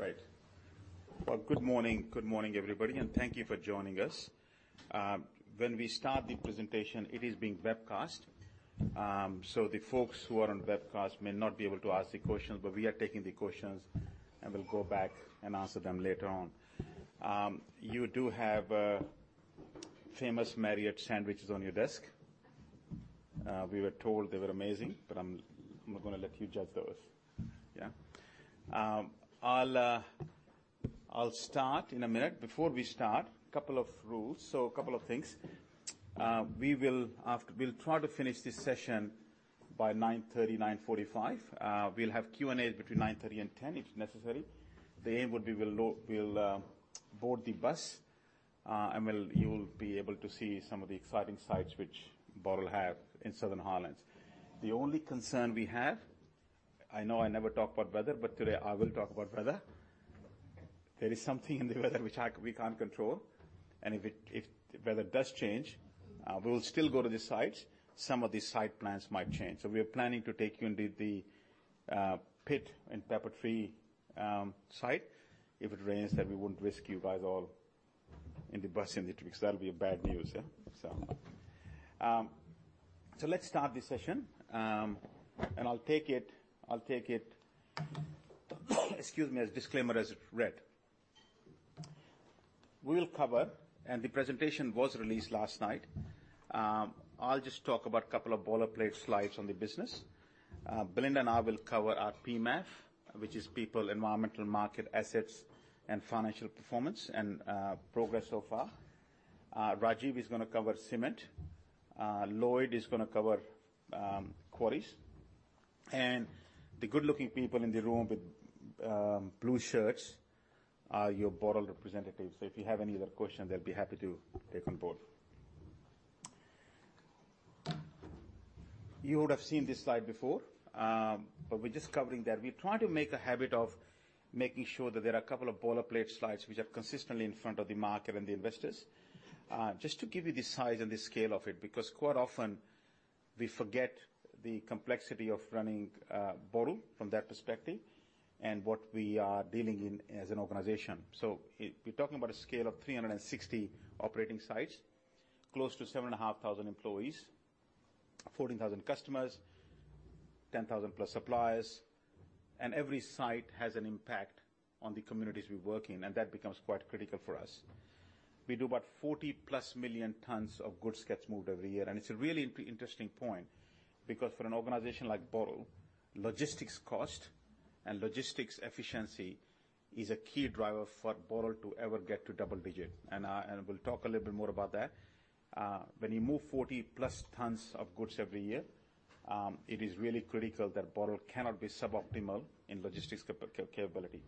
Great. Well, good morning. Good morning, everybody, thank you for joining us. When we start the presentation, it is being webcast. The folks who are on the webcast may not be able to ask the questions, but we are taking the questions, we'll go back and answer them later on. You do have famous Marriott sandwiches on your desk. We were told they were amazing, I'm gonna let you judge those. Yeah. I'll start in a minute. Before we start, couple of rules, a couple of things. We will try to finish this session by 9:30, 9:45. We'll have Q&A between 9:30 and 10, if necessary. The aim would be we'll board the bus and you will be able to see some of the exciting sites which Boral have in Southern Highlands. The only concern we have, I know I never talk about weather, but today I will talk about weather. There is something in the weather which I, we can't control, and if it, if the weather does change, we will still go to the sites. Some of the site plans might change. We are planning to take you into the pit and Peppertree site. If it rains, then we wouldn't risk you guys all in the bus in it, because that'll be a bad news, yeah. Let's start this session. I'll take it, excuse me, as disclaimer as read. We'll cover... The presentation was released last night. I'll just talk about a couple of boilerplate slides on the business. Belinda and I will cover our PMAF, which is People, Environmental, Market, Assets, and Financial performance, and progress so far. Rajiv is gonna cover Cement. Lloyd is gonna cover Quarries. The good-looking people in the room with blue shirts are your Boral representatives. If you have any other questions, they'll be happy to take on board. You would have seen this slide before, we're just covering that. We try to make a habit of making sure that there are a couple of boilerplate slides, which are consistently in front of the market and the investors. Just to give you the size and the scale of it, because quite often we forget the complexity of running Boral from that perspective and what we are dealing in as an organization. We're talking about a scale of 360 operating sites, close to 7,500 employees, 14,000 customers, 10,000+ suppliers, and every site has an impact on the communities we work in, and that becomes quite critical for us. We do about 40+ million tons of goods gets moved every year, and it's a really interesting point because for an organization like Boral, logistics cost and logistics efficiency is a key driver for Boral to ever get to double digit. We'll talk a little bit more about that. When you move 40+ tons of goods every year, it is really critical that Boral cannot be suboptimal in logistics capability.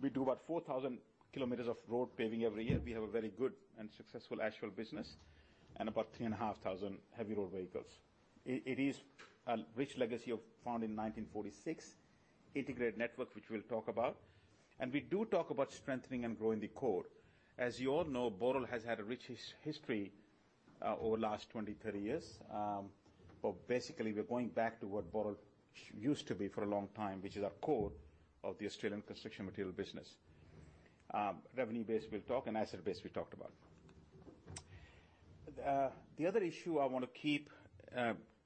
We do about 4,000 kilometers of road paving every year. We have a very good and successful asphalt business and about 3,500 heavy road vehicles. It is a rich legacy of, founded in 1946, integrated network, which we'll talk about. We do talk about strengthening and growing the core. As you all know, Boral has had a rich history over the last 20, 30 years. Basically, we're going back to what Boral used to be for a long time, which is a core of the Australian construction material business. Revenue base, we'll talk, and asset base, we talked about. The other issue I want to keep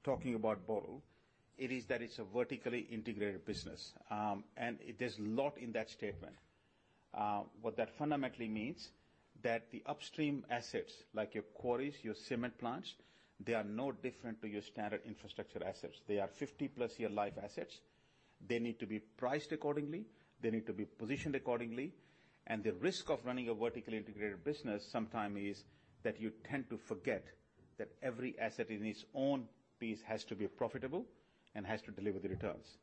talking about Boral, it is that it's a vertically integrated business. There's a lot in that statement. What that fundamentally means, that the upstream assets, like your quarries, your cement plants, they are no different to your standard infrastructure assets. They are 50-plus year life assets. They need to be priced accordingly, they need to be positioned accordingly, and the risk of running a vertically integrated business sometime is that you tend to forget that every asset in its own piece has to be profitable and has to deliver the returns.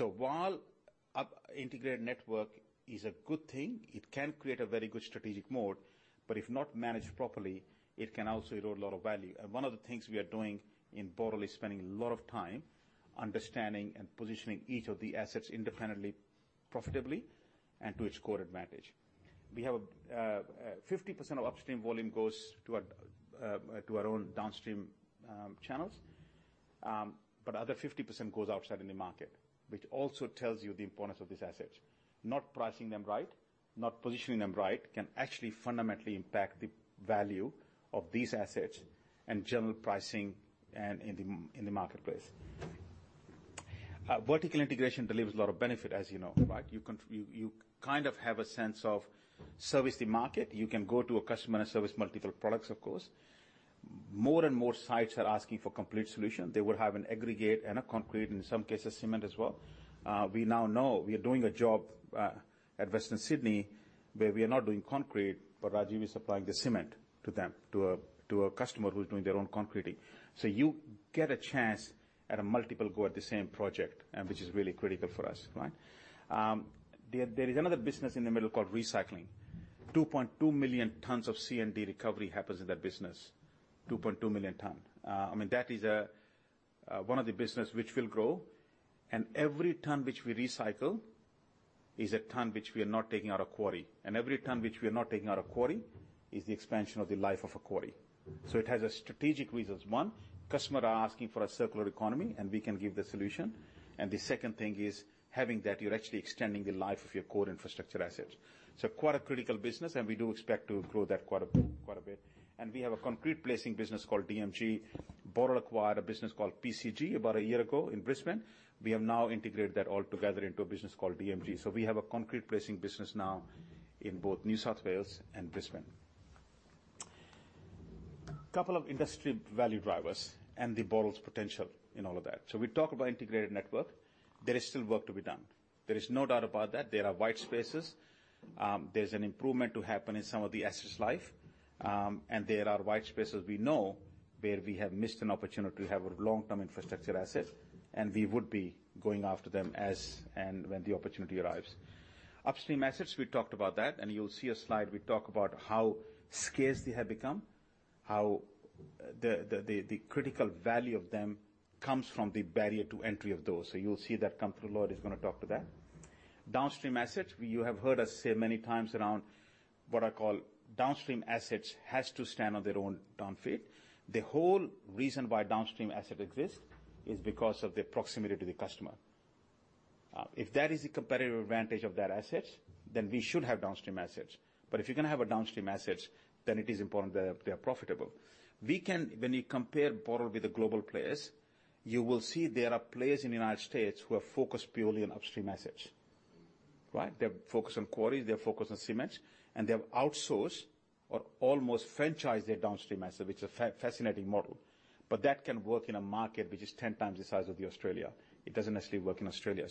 While up- integrated network is a good thing, it can create a very good strategic mode, but if not managed properly, it can also erode a lot of value. One of the things we are doing in Boral is spending a lot of time understanding and positioning each of the assets independently, profitably, and to its core advantage. We have 50% of upstream volume goes to to our own downstream channels, but other 50% goes outside in the market, which also tells you the importance of these assets. Not pricing them right, not positioning them right, can actually fundamentally impact the value of these assets and general pricing and in the marketplace. Vertical integration delivers a lot of benefit, as you know, right? You kind of have a sense of service the market. You can go to a customer and service multiple products, of course. More and more sites are asking for complete solution. They will have an aggregate and a concrete, in some cases, cement as well. We now know we are doing a job at Western Sydney, where we are not doing concrete. Rajiv is supplying the cement to them, to a customer who is doing their own concreting. You get a chance at a multiple go at the same project. Which is really critical for us, right? There is another business in the middle called recycling. 2.2 million tons of C&D recovery happens in that business. 2.2 million ton. I mean, that is one of the business which will grow. Every ton which we recycle is a ton which we are not taking out of quarry. Every ton which we are not taking out of quarry. is the expansion of the life of a quarry. It has a strategic reasons. One, customer are asking for a circular economy, and we can give the solution. The second thing is, having that, you're actually extending the life of your core infrastructure assets. Quite a critical business, and we do expect to grow that quite a bit. We have a concrete placing business called DMG. Boral acquired a business called PCG about one year ago in Brisbane. We have now integrated that all together into a business called DMG. We have a concrete placing business now in both New South Wales and Brisbane. Couple of industry value drivers and the Boral's potential in all of that. We talk about integrated network. There is still work to be done. There is no doubt about that. There are white spaces. There's an improvement to happen in some of the assets life, and there are white spaces we know where we have missed an opportunity to have a long-term infrastructure asset. We would be going after them as and when the opportunity arrives. Upstream assets, we talked about that. You'll see a slide. We talk about how scarce they have become, how the critical value of them comes from the barrier to entry of those. You'll see that come through. Lloyd is gonna talk to that. Downstream assets, you have heard us say many times around what I call downstream assets has to stand on their own down feet. The whole reason why downstream asset exists is because of the proximity to the customer. If that is a competitive advantage of that asset, then we should have downstream assets. If you're gonna have a downstream assets, then it is important that they are profitable. When you compare Boral with the global players, you will see there are players in the United States who are focused purely on upstream assets, right? They're focused on quarries, they're focused on cement, and they have outsourced or almost franchised their downstream assets, which is a fascinating model. That can work in a market which is 10 times the size of the Australia. It doesn't necessarily work in Australia.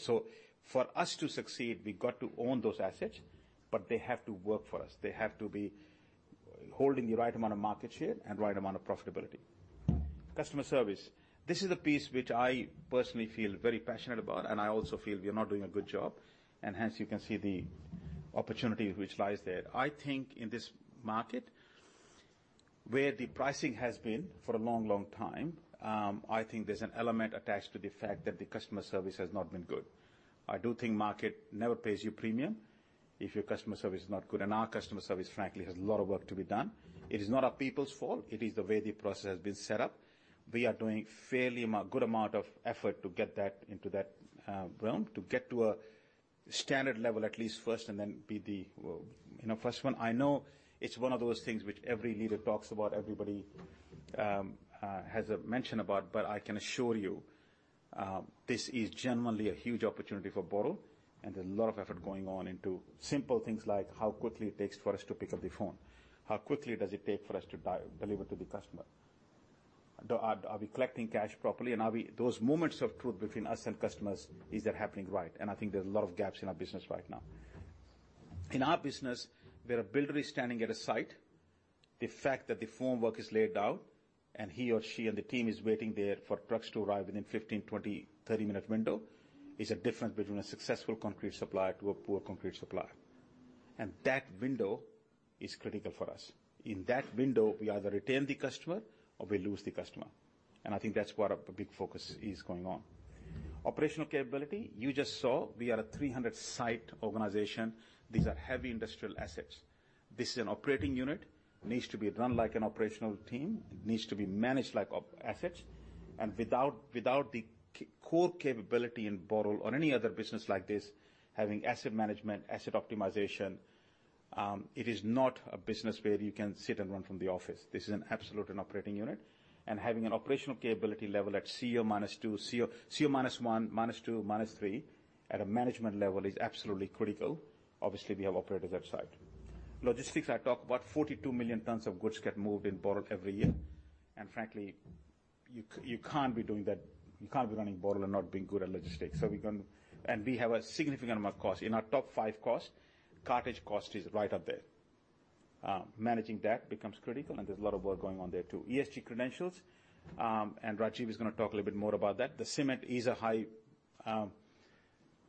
For us to succeed, we've got to own those assets, but they have to work for us. They have to be holding the right amount of market share and right amount of profitability. Customer service. This is a piece which I personally feel very passionate about, and I also feel we are not doing a good job, and hence you can see the opportunity which lies there. I think in this market, where the pricing has been for a long, long time, I think there's an element attached to the fact that the customer service has not been good. I do think market never pays you premium if your customer service is not good, and our customer service, frankly, has a lot of work to be done. It is not our people's fault. It is the way the process has been set up. We are doing fairly good amount of effort to get that into that realm, to get to a standard level at least first, and then be the, well, you know, first one. I know it's one of those things which every leader talks about, everybody has a mention about. I can assure you, this is genuinely a huge opportunity for Boral. There's a lot of effort going on into simple things like how quickly it takes for us to pick up the phone. How quickly does it take for us to deliver to the customer? Are we collecting cash properly, and are we those moments of truth between us and customers, is that happening right? I think there's a lot of gaps in our business right now. In our business, where a builder is standing at a site, the fact that the formwork is laid out, and he or she and the team is waiting there for trucks to arrive within 15, 20, 30 minute window, is a difference between a successful concrete supplier to a poor concrete supplier. That window is critical for us. In that window, we either retain the customer or we lose the customer. I think that's what a big focus is going on. Operational capability. You just saw we are a 300 site organization. These are heavy industrial assets. This is an operating unit, needs to be run like an operational team. It needs to be managed like op assets, and without the core capability in Boral or any other business like this, having asset management, asset optimization, it is not a business where you can sit and run from the office. This is an absolute, an operating unit, and having an operational capability level at CEO minus two, CEO minus one, minus two, minus three, at a management level is absolutely critical. Obviously, we have operators outside. Logistics, I talk about 42 million tons of goods get moved in Boral every year, and frankly, you can't be doing that. You can't be running Boral and not being good at logistics. We can. We have a significant amount of cost. In our top five costs, cartage cost is right up there. Managing that becomes critical, and there's a lot of work going on there, too. ESG credentials. Rajiv is gonna talk a little bit more about that. The cement is a high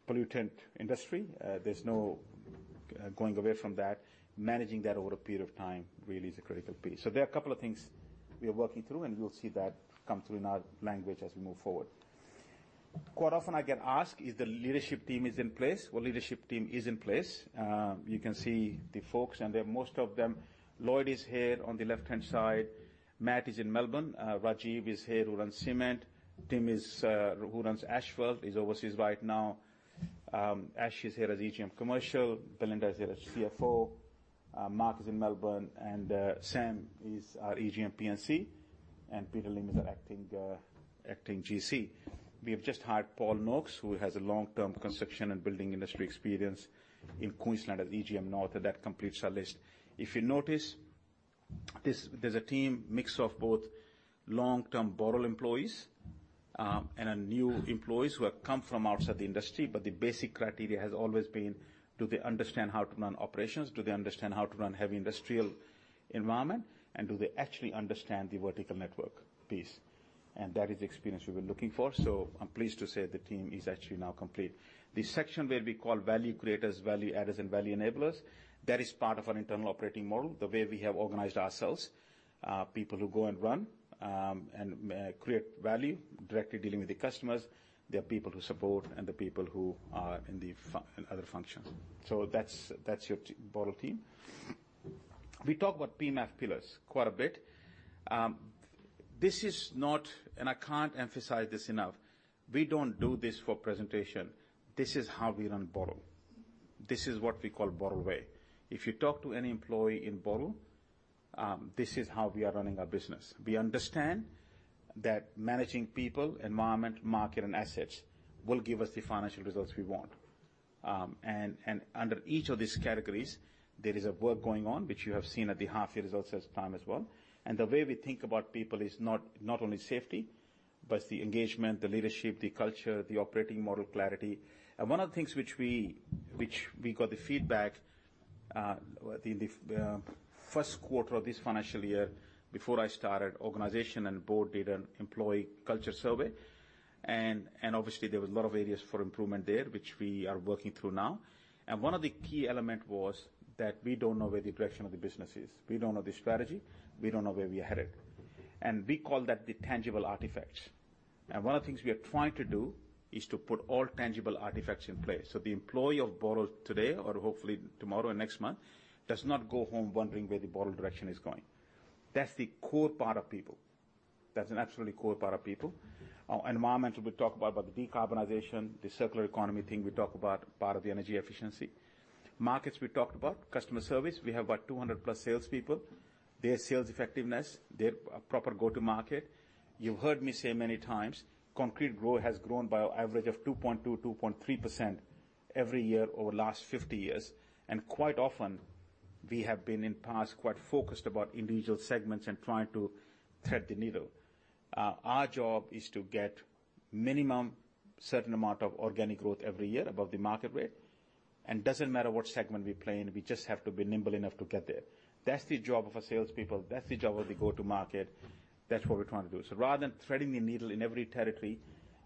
pollutant industry. There's no going away from that. Managing that over a period of time really is a critical piece. There are a couple of things we are working through, and you'll see that come through in our language as we move forward. Quite often I get asked, "Is the leadership team is in place?" Well, leadership team is in place. You can see the folks, and they're most of them. Lloyd is here on the left-hand side. Matt is in Melbourne. Rajiv is here, who runs Cement. Tim is who runs Asphalt. He's overseas right now. Ash is here as AGM Commercial. Belinda is here as CFO. Mark is in Melbourne. Sam is our AGM, P&C. Peter Lim is our acting GC. We have just hired Paul Noakes, who has a long-term construction and building industry experience in Queensland as AGM North. That completes our list. If you notice, there's a team mix of both long-term Boral employees, and new employees who have come from outside the industry, but the basic criteria has always been: Do they understand how to run operations? Do they understand how to run heavy industrial environment? Do they actually understand the vertical network piece? That is the experience we've been looking for. I'm pleased to say the team is actually now complete. The section where we call value creators, value adders, and value enablers, that is part of our internal operating model, the way we have organized ourselves. People who go and run and create value, directly dealing with the customers. There are people who support and the people who are in other functions. That's your Boral team. We talk about PMAF pillars quite a bit. This is not, and I can't emphasize this enough, we don't do this for presentation. This is how we run Boral. This is what we call Boral way. If you talk to any employee in Boral, this is how we are running our business. We understand that managing people, environment, market, and assets will give us the financial results we want. And under each of these categories, there is a work going on, which you have seen at the half year results as time as well. The way we think about people is not only safety, but the engagement, the leadership, the culture, the operating model clarity. One of the things which we got the feedback, the first quarter of this financial year, before I started, organization and board did an employee culture survey, and obviously, there was a lot of areas for improvement there, which we are working through now. One of the key element was that we don't know where the direction of the business is. We don't know the strategy, we don't know where we are headed, and we call that the tangible artifacts. One of the things we are trying to do is to put all tangible artifacts in place. The employee of Boral today, or hopefully tomorrow and next month, does not go home wondering where the Boral direction is going. That's the core part of people. That's an absolutely core part of people. Environmental, we talk about the decarbonization, the circular economy thing we talk about, part of the energy efficiency. Markets we talked about. Customer service, we have about 200+ salespeople. Their sales effectiveness, their proper go-to market. You've heard me say many times, concrete growth has grown by an average of 2.2%-2.3% every year over the last 50 years, and quite often, we have been, in past, quite focused about individual segments and trying to thread the needle. Our job is to get minimum certain amount of organic growth every year above the market rate, and doesn't matter what segment we play in, we just have to be nimble enough to get there. That's the job of our salespeople, that's the job of the go-to-market. That's what we're trying to do. Rather than threading the needle in every territory,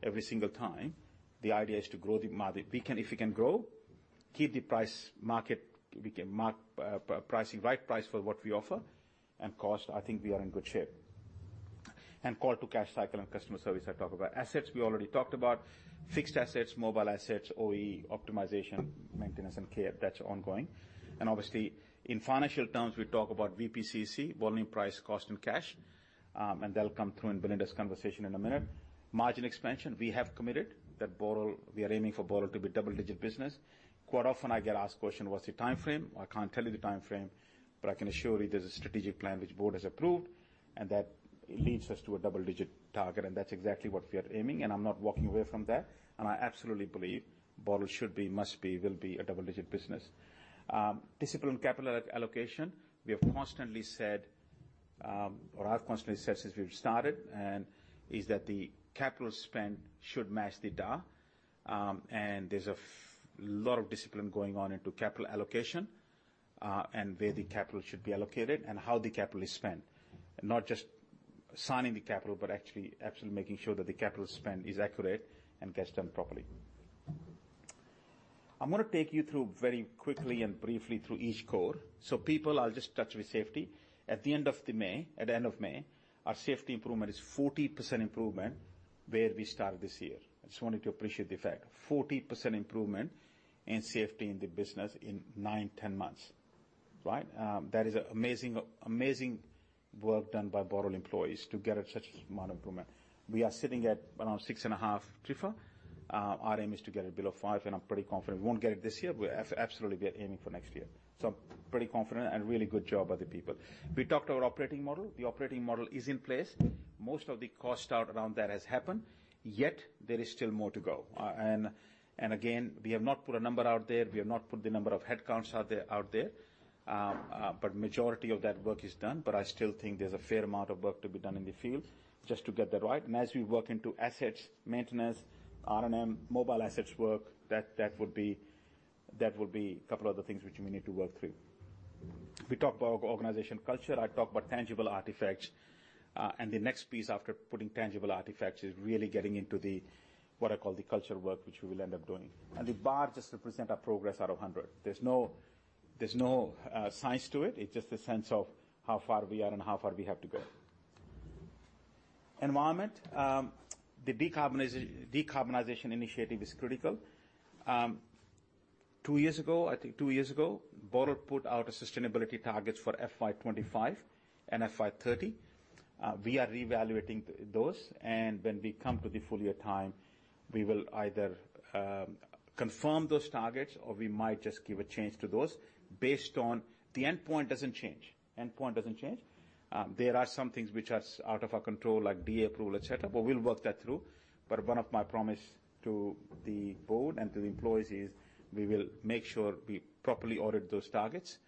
every single time, the idea is to grow the market. If we can grow, keep the price market, we can mark pricing, right price for what we offer and cost, I think we are in good shape. Call to cash cycle and customer service, I talk about. Assets, we already talked about. Fixed assets, mobile assets, OEE, optimization, maintenance, and care. That's ongoing. Obviously, in financial terms, we talk about VPCC, volume, price, cost, and cash. And that'll come through in Belinda's conversation in a minute. Margin expansion, we have committed that Boral, we are aiming for Boral to be double-digit business. Quite often, I get asked question: What's the time frame? I can't tell you the time frame, but I can assure you there's a strategic plan which board has approved, and that leads us to a double-digit target, and that's exactly what we are aiming, and I'm not walking away from that. I absolutely believe Boral should be, must be, will be a double-digit business. Discipline capital allocation, we have constantly said, or I've constantly said since we've started, and is that the capital spend should match the DA. And there's a lot of discipline going on into capital allocation, and where the capital should be allocated and how the capital is spent. Not just signing the capital, actually making sure that the capital spend is accurate and gets done properly. I'm gonna take you through, very quickly and briefly, through each core. People, I'll just touch with safety. At the end of May, our safety improvement is 40% improvement where we started this year. I just wanted to appreciate the fact, 40% improvement in safety in the business in nine, 10 months, right? That is amazing work done by Boral employees to get such amount of improvement. We are sitting at around 6.5 TIFR. Our aim is to get it below five, I'm pretty confident we won't get it this year, absolutely, we are aiming for next year. Pretty confident and really good job by the people. We talked about operating model. The operating model is in place. Most of the cost out around that has happened, yet there is still more to go. Again, we have not put a number out there, we have not put the number of headcounts out there, but majority of that work is done. I still think there's a fair amount of work to be done in the field just to get that right. As we work into assets, maintenance, RMM, mobile assets work, that would be a couple other things which we need to work through. We talked about organization culture, I talked about tangible artifacts. The next piece after putting tangible artifacts is really getting into the, what I call the culture work, which we will end up doing. The bar just represent our progress out of 100. There's no science to it. It's just a sense of how far we are and how far we have to go. Environment, the decarbonization initiative is critical. two years ago, I think two years ago, Boral put out a sustainability targets for FY25 and FY30. We are reevaluating those, and when we come to the full year time, we will either confirm those targets, or we might just give a change to those based on... The endpoint doesn't change. Endpoint doesn't change. There are some things which are out of our control, like DA approval, et cetera, but we'll work that through. One of my promise to the board and to the employees is we will make sure we properly audit those targets,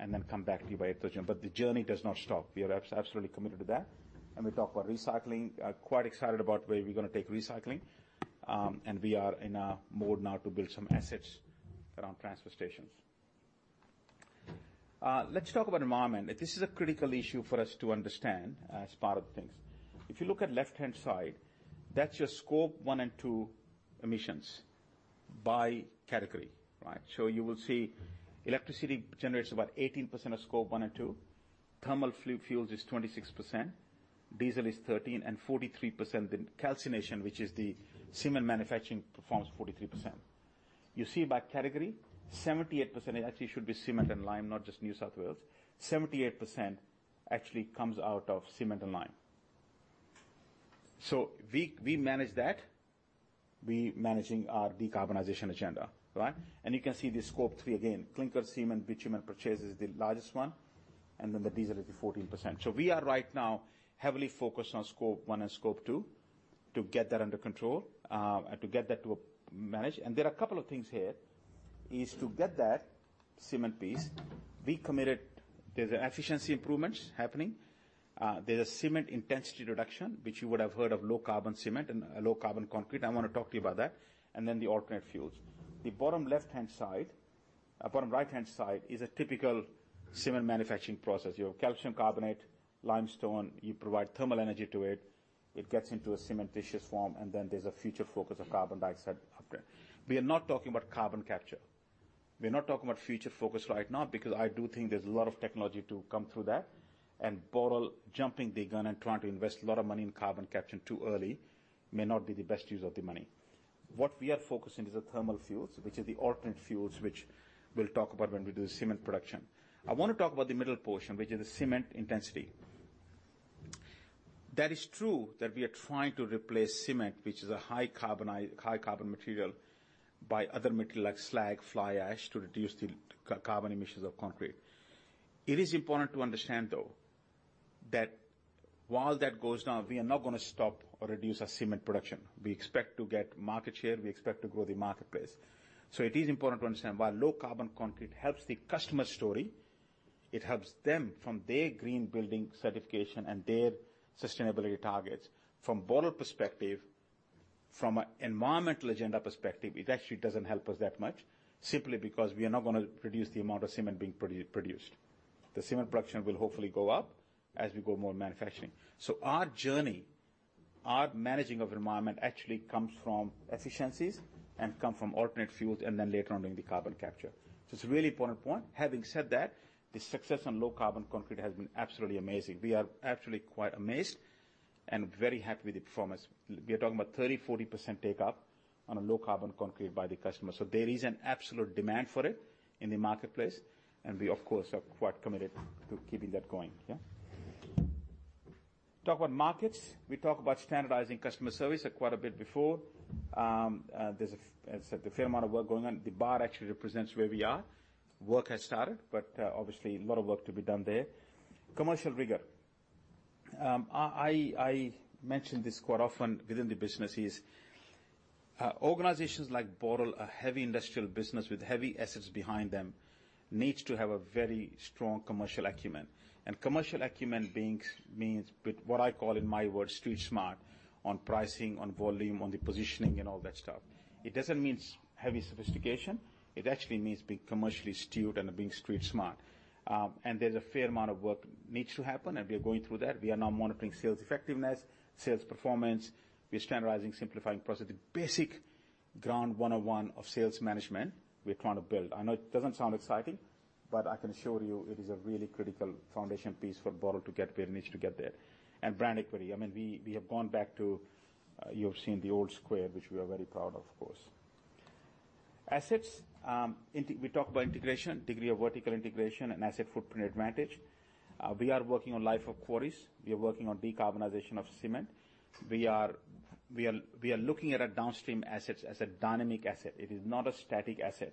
and then come back to you by October. The journey does not stop. We are absolutely committed to that. We talk about recycling. Quite excited about where we're gonna take recycling. We are in a mode now to build some assets around transfer stations. Let's talk about environment. This is a critical issue for us to understand as part of things. If you look at left-hand side, that's your Scope one and two emissions by category, right? You will see electricity generates about 18% of Scope one and two, thermal fuels is 26%, diesel is 13%, and 43% in calcination, which is the cement manufacturing, performs 43%. You see by category, 78%, it actually should be cement and lime, not just New South Wales. 78% actually comes out of cement and lime. We manage that. We managing our decarbonization agenda, right? You can see the Scope three again, clinker, cement, bitumen purchase is the largest one, and then the diesel is the 14%. We are right now heavily focused on Scope one and Scope two to get that under control and to get that to managed. There are a couple of things here, is to get that cement piece, there's efficiency improvements happening. There's a cement intensity reduction, which you would have heard of low-carbon cement and low-carbon concrete. I want to talk to you about that, and then the alternate fuels. The bottom left-hand side, bottom right-hand side is a typical cement manufacturing process. You have calcium carbonate, limestone, you provide thermal energy to it gets into a cementitious form, and then there's a future focus of carbon dioxide after. We are not talking about carbon capture. We are not talking about future focus right now because I do think there's a lot of technology to come through that. Boral jumping the gun and trying to invest a lot of money in carbon capture too early may not be the best use of the money. What we are focusing is the thermal fuels, which is the alternate fuels, which we'll talk about when we do the cement production. I want to talk about the middle portion, which is the cement intensity. That is true that we are trying to replace cement, which is a high-carbon material, by other material like slag, fly ash, to reduce the carbon emissions of concrete. It is important to understand, though, that while that goes down, we are not going to stop or reduce our cement production. We expect to get market share. We expect to grow the marketplace. It is important to understand, while low-carbon concrete helps the customer story, it helps them from their green building certification and their sustainability targets. From Boral perspective, from an environmental agenda perspective, it actually doesn't help us that much simply because we are not going to reduce the amount of cement being produced. The cement production will hopefully go up as we go more manufacturing. Our journey, our managing of environment actually comes from efficiencies and come from alternate fuels, and then later on, doing the carbon capture. It's a really important point. Having said that, the success on low-carbon concrete has been absolutely amazing. We are actually quite amazed and very happy with the performance. We are talking about 30%, 40% take up on a low-carbon concrete by the customer. There is an absolute demand for it in the marketplace, and we, of course, are quite committed to keeping that going. Yeah. Talk about markets. We talk about standardizing customer service quite a bit before. There's a fair amount of work going on. The bar actually represents where we are. Work has started, but obviously a lot of work to be done there. Commercial rigor. I mention this quite often within the businesses. Organizations like Boral, a heavy industrial business with heavy assets behind them, needs to have a very strong commercial acumen. Commercial acumen means, with what I call in my world, street smart on pricing, on volume, on the positioning, and all that stuff. It doesn't mean heavy sophistication. It actually means being commercially astute and being street smart. There's a fair amount of work needs to happen, and we are going through that. We are now monitoring sales effectiveness, sales performance. We are standardizing, simplifying process, the basic ground one-on-one of sales management we are trying to build. I know it doesn't sound exciting, but I can assure you it is a really critical foundation piece for Boral to get where it needs to get there. Brand equity, I mean, we have gone back to, you have seen the old square, which we are very proud of course. Assets. We talked about integration, degree of vertical integration and asset footprint advantage. We are working on life of quarries. We are working on decarbonization of cement. We are looking at our downstream assets as a dynamic asset. It is not a static asset.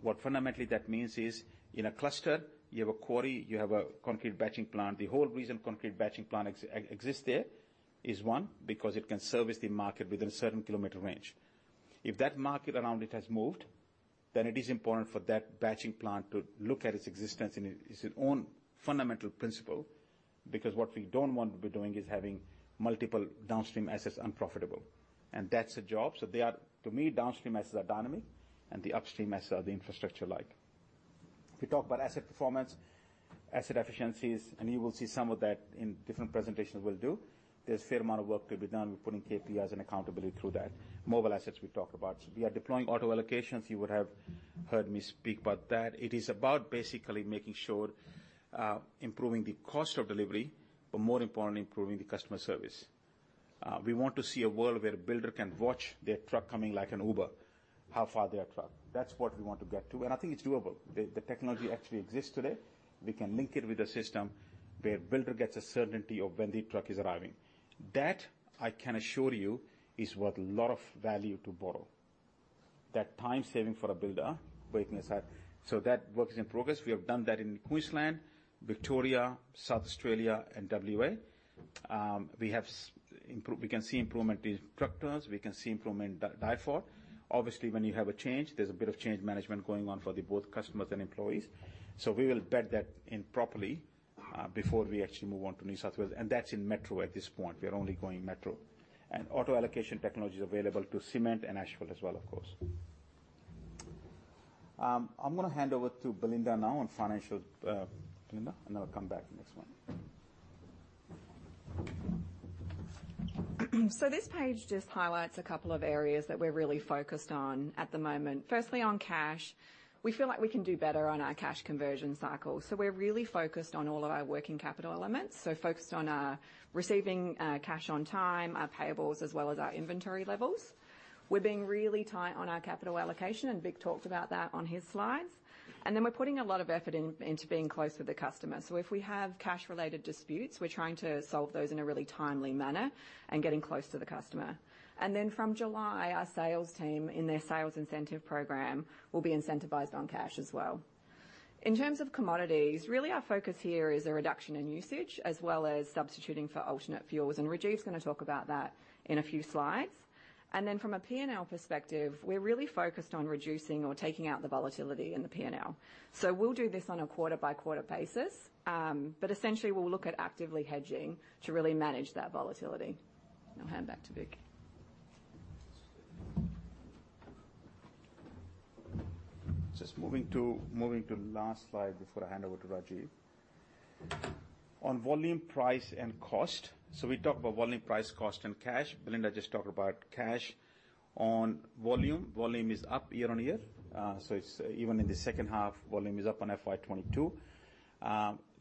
What fundamentally that means is, in a cluster, you have a quarry, you have a concrete batching plant. The whole reason concrete batching plant exists there is, one, because it can service the market within a certain kilometer range. If that market around it has moved, it is important for that batching plant to look at its existence in its own fundamental principle, because what we don't want to be doing is having multiple downstream assets unprofitable, and that's a job. To me, downstream assets are dynamic, and the upstream assets are the infrastructure like. We talk about asset performance, asset efficiencies, and you will see some of that in different presentations we'll do. There's a fair amount of work to be done. We're putting KPIs and accountability through that. Mobile assets, we talked about. We are deploying Auto Allocations. You would have heard me speak about that. It is about basically making sure, improving the cost of delivery, but more importantly, improving the customer service. We want to see a world where a builder can watch their truck coming like an Uber, how far their truck. That's what we want to get to, and I think it's doable. The technology actually exists today. We can link it with a system where builder gets a certainty of when the truck is arriving. That, I can assure you, is worth a lot of value to Boral. That time saving for a builder waiting aside. That work is in progress. We have done that in Queensland, Victoria, South Australia, and WA. We can see improvement in truck turns. We can see improvement driver. Obviously, when you have a change, there's a bit of change management going on for the both customers and employees, we will bed that in properly before we actually move on to New South Wales, and that's in Metro at this point. We are only going Metro. Auto Allocations technology is available to cement and asphalt as well, of course. I'm going to hand over to Belinda now on financial, Belinda, I'll come back next one. This page just highlights a couple of areas that we're really focused on at the moment. Firstly, on cash, we feel like we can do better on our cash conversion cycle, so we're really focused on all of our working capital elements. Focused on receiving cash on time, our payables, as well as our inventory levels. We're being really tight on our capital allocation, and Vik talked about that on his slides. Then we're putting a lot of effort in, into being close with the customer. If we have cash-related disputes, we're trying to solve those in a really timely manner and getting close to the customer. Then from July, our sales team, in their sales incentive program, will be incentivized on cash as well. In terms of commodities, really, our focus here is a reduction in usage as well as substituting for alternate fuels, and Rajiv's going to talk about that in a few slides. From a P&L perspective, we're really focused on reducing or taking out the volatility in the P&L. We'll do this on a quarter-by-quarter basis, but essentially, we'll look at actively hedging to really manage that volatility. I'll hand back to Vik. Just moving to the last slide before I hand over to Rajiv. On volume, price, and cost. We talked about volume, price, cost, and cash. Belinda just talked about cash. On volume is up year on year. So it's even in the second half, volume is up on FY22.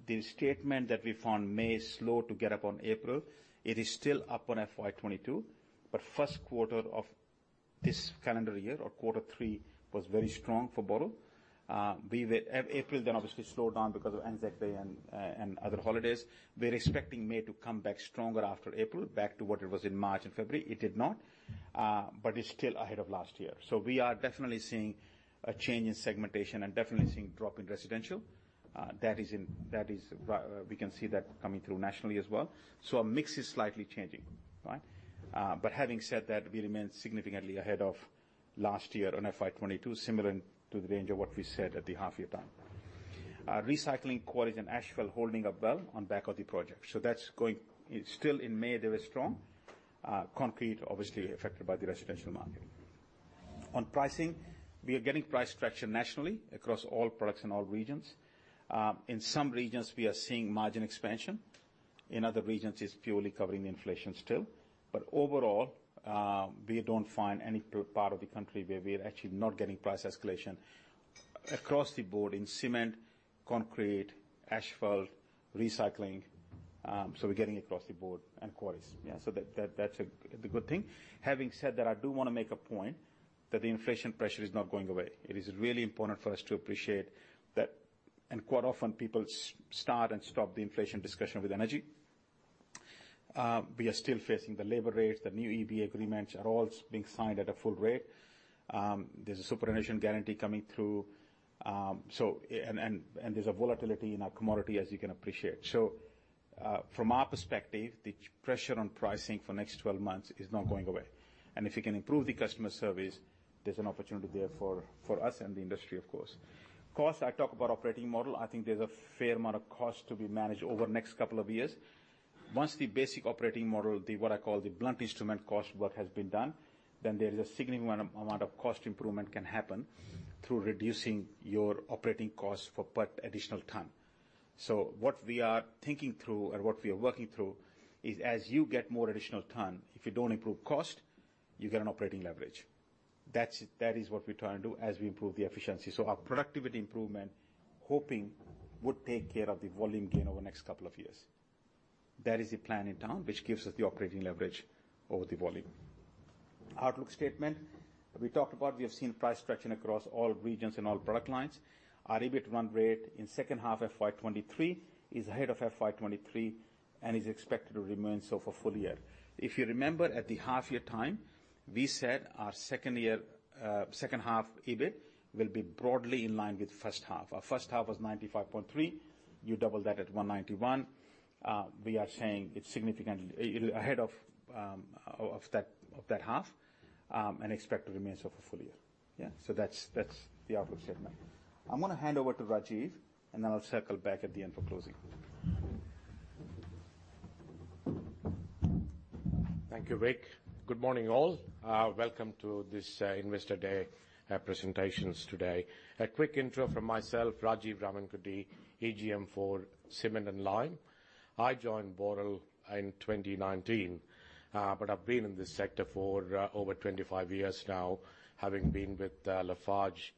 The statement that we found May slowed to get up on April, it is still up on FY22. First quarter of this calendar year or quarter three was very strong for Boral. April then obviously slowed down because of Anzac Day and other holidays. We're expecting May to come back stronger after April, back to what it was in March and February. It did not, but it's still ahead of last year. We are definitely seeing a change in segmentation and definitely seeing drop in residential. That is in, that is. We can see that coming through nationally as well. Our mix is slightly changing, right? Having said that, we remain significantly ahead of last year on FY22, similar to the range of what we said at the half year time. Recycling, quarries, and asphalt, holding up well on back of the project. That's going. Still in May, they were strong. Concrete obviously affected by the residential market. On pricing, we are getting price traction nationally across all products in all regions. In some regions, we are seeing margin expansion. In other regions, it's purely covering the inflation still. Overall, we don't find any part of the country where we're actually not getting price escalation across the board in cement, concrete, asphalt, recycling, so we're getting it across the board, and quarries. That's a, the good thing. Having said that, I do want to make a point that the inflation pressure is not going away. It is really important for us to appreciate that, quite often people start and stop the inflation discussion with energy. We are still facing the labor rates. The new EB agreements are all being signed at a full rate. There's a superannuation guarantee coming through. And there's a volatility in our commodity, as you can appreciate. From our perspective, the pressure on pricing for next 12 months is not going away. If we can improve the customer service, there's an opportunity there for us and the industry, of course. Cost, I talk about operating model. I think there's a fair amount of cost to be managed over the next couple of years. Once the basic operating model, the what I call the blunt instrument cost, work has been done, then there is a significant amount of cost improvement can happen through reducing your operating costs per additional ton. What we are thinking through and what we are working through is, as you get more additional ton, if you don't improve cost, you get an operating leverage. That is what we're trying to do as we improve the efficiency. Our productivity improvement, hoping, would take care of the volume gain over the next couple of years. That is the plan in town, which gives us the operating leverage over the volume. Outlook statement. We talked about, we have seen price stretching across all regions and all product lines. Our EBIT run rate in second half FY23 is ahead of FY23 and is expected to remain so for full year. If you remember, at the half year time, we said our second year, second half EBIT will be broadly in line with first half. Our first half was 95.3. You double that at 191. We are saying it's significantly ahead of that half and expected to remain so for full year. That's the outlook statement. I'm going to hand over to Rajiv, and then I'll circle back at the end for closing. Thank you, Vik. Good morning, all. Welcome to this Investor Day presentations today. A quick intro from myself, Rajeev Ramankutty, AGM for Cement and Lime. I joined Boral in 2019, but I've been in this sector for over 25 years now, having been with Lafarge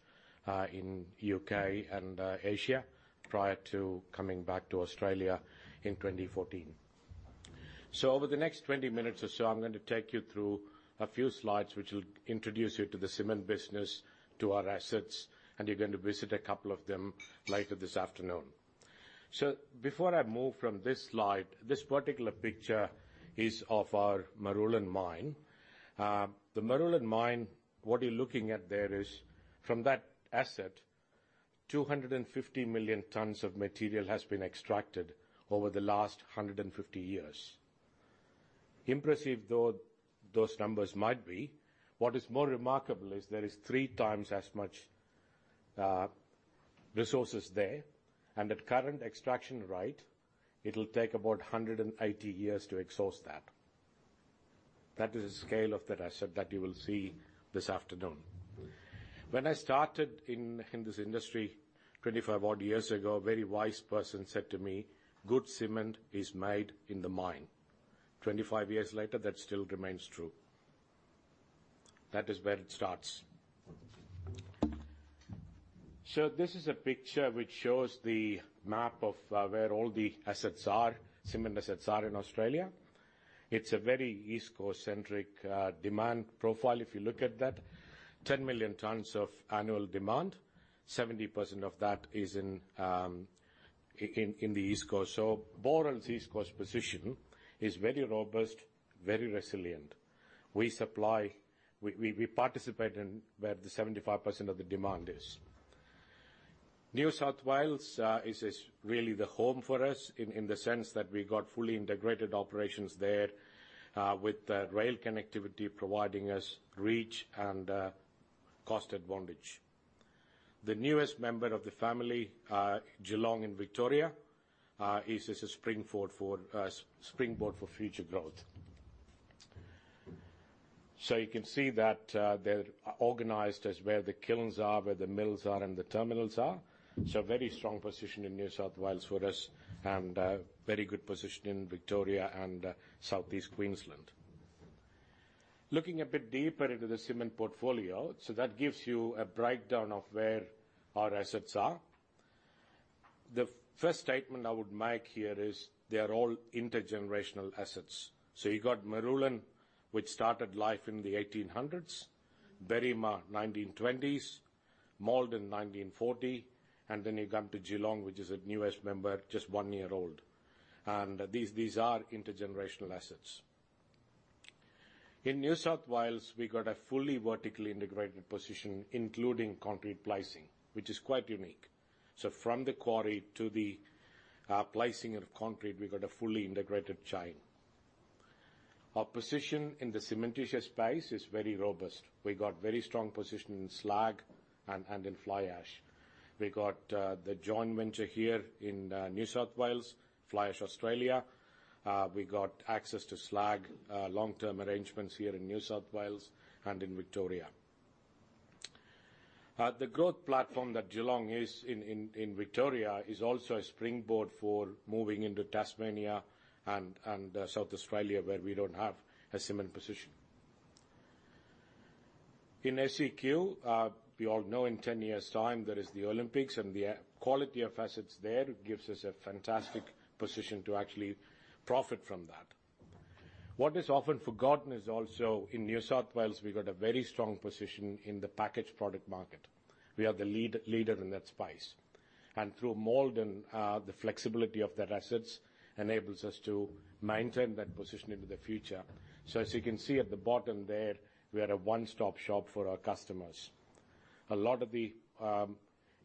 in U.K. and Asia prior to coming back to Australia in 2014. Over the next 20 minutes or so, I'm going to take you through a few slides, which will introduce you to the cement business, to our assets, and you're going to visit a couple of them later this afternoon. Before I move from this slide, this particular picture is of our Marulan mine. The Marulan mine, what you're looking at there is, from that asset, 250 million tons of material has been extracted over the last 150 years. Impressive though those numbers might be, what is more remarkable is there is three times as much resources there, and at current extraction rate, it'll take about 180 years to exhaust that. That is the scale of the asset that you will see this afternoon. When I started in this industry 25 odd years ago, a very wise person said to me, "Good cement is made in the mine." 25 years later, that still remains true. That is where it starts. This is a picture which shows the map of where all the cement assets are in Australia. It's a very East Coast-centric demand profile. If you look at that, 10 million tons of annual demand, 70% of that is in the East Coast. Boral's East Coast position is very robust, very resilient. We participate in where the 75% of the demand is. New South Wales is really the home for us, in the sense that we got fully integrated operations there, with rail connectivity providing us reach and cost advantage. The newest member of the family, Geelong in Victoria, is a springboard for future growth. You can see that they're organized as where the kilns are, where the mills are, and the terminals are. Very strong position in New South Wales for us and very good position in Victoria and Southeast Queensland. Looking a bit deeper into the cement portfolio, that gives you a breakdown of where our assets are. The first statement I would make here is they are all intergenerational assets. You got Marulan, which started life in the 1800s; Berrima, 1920s; Maldon, 1940; and then you come to Geelong, which is the newest member, just one year old. These are intergenerational assets. In New South Wales, we got a fully vertically integrated position, including concrete placing, which is quite unique. From the quarry to the placing of concrete, we've got a fully integrated chain. Our position in the cementitious space is very robust. We've got very strong position in slag and in fly ash. We got the joint venture here in New South Wales, Flyash Australia. We got access to slag, long-term arrangements here in New South Wales and in Victoria. The growth platform that Geelong is in Victoria is also a springboard for moving into Tasmania and South Australia, where we don't have a cement position. In SEQ, we all know in 10 years' time, there is the Olympics, and the quality of assets there gives us a fantastic position to actually profit from that. What is often forgotten is also in New South Wales, we've got a very strong position in the packaged product market. We are the leader in that space. Through Maldon, the flexibility of their assets enables us to maintain that position into the future. As you can see at the bottom there, we are a one-stop shop for our customers. A lot of the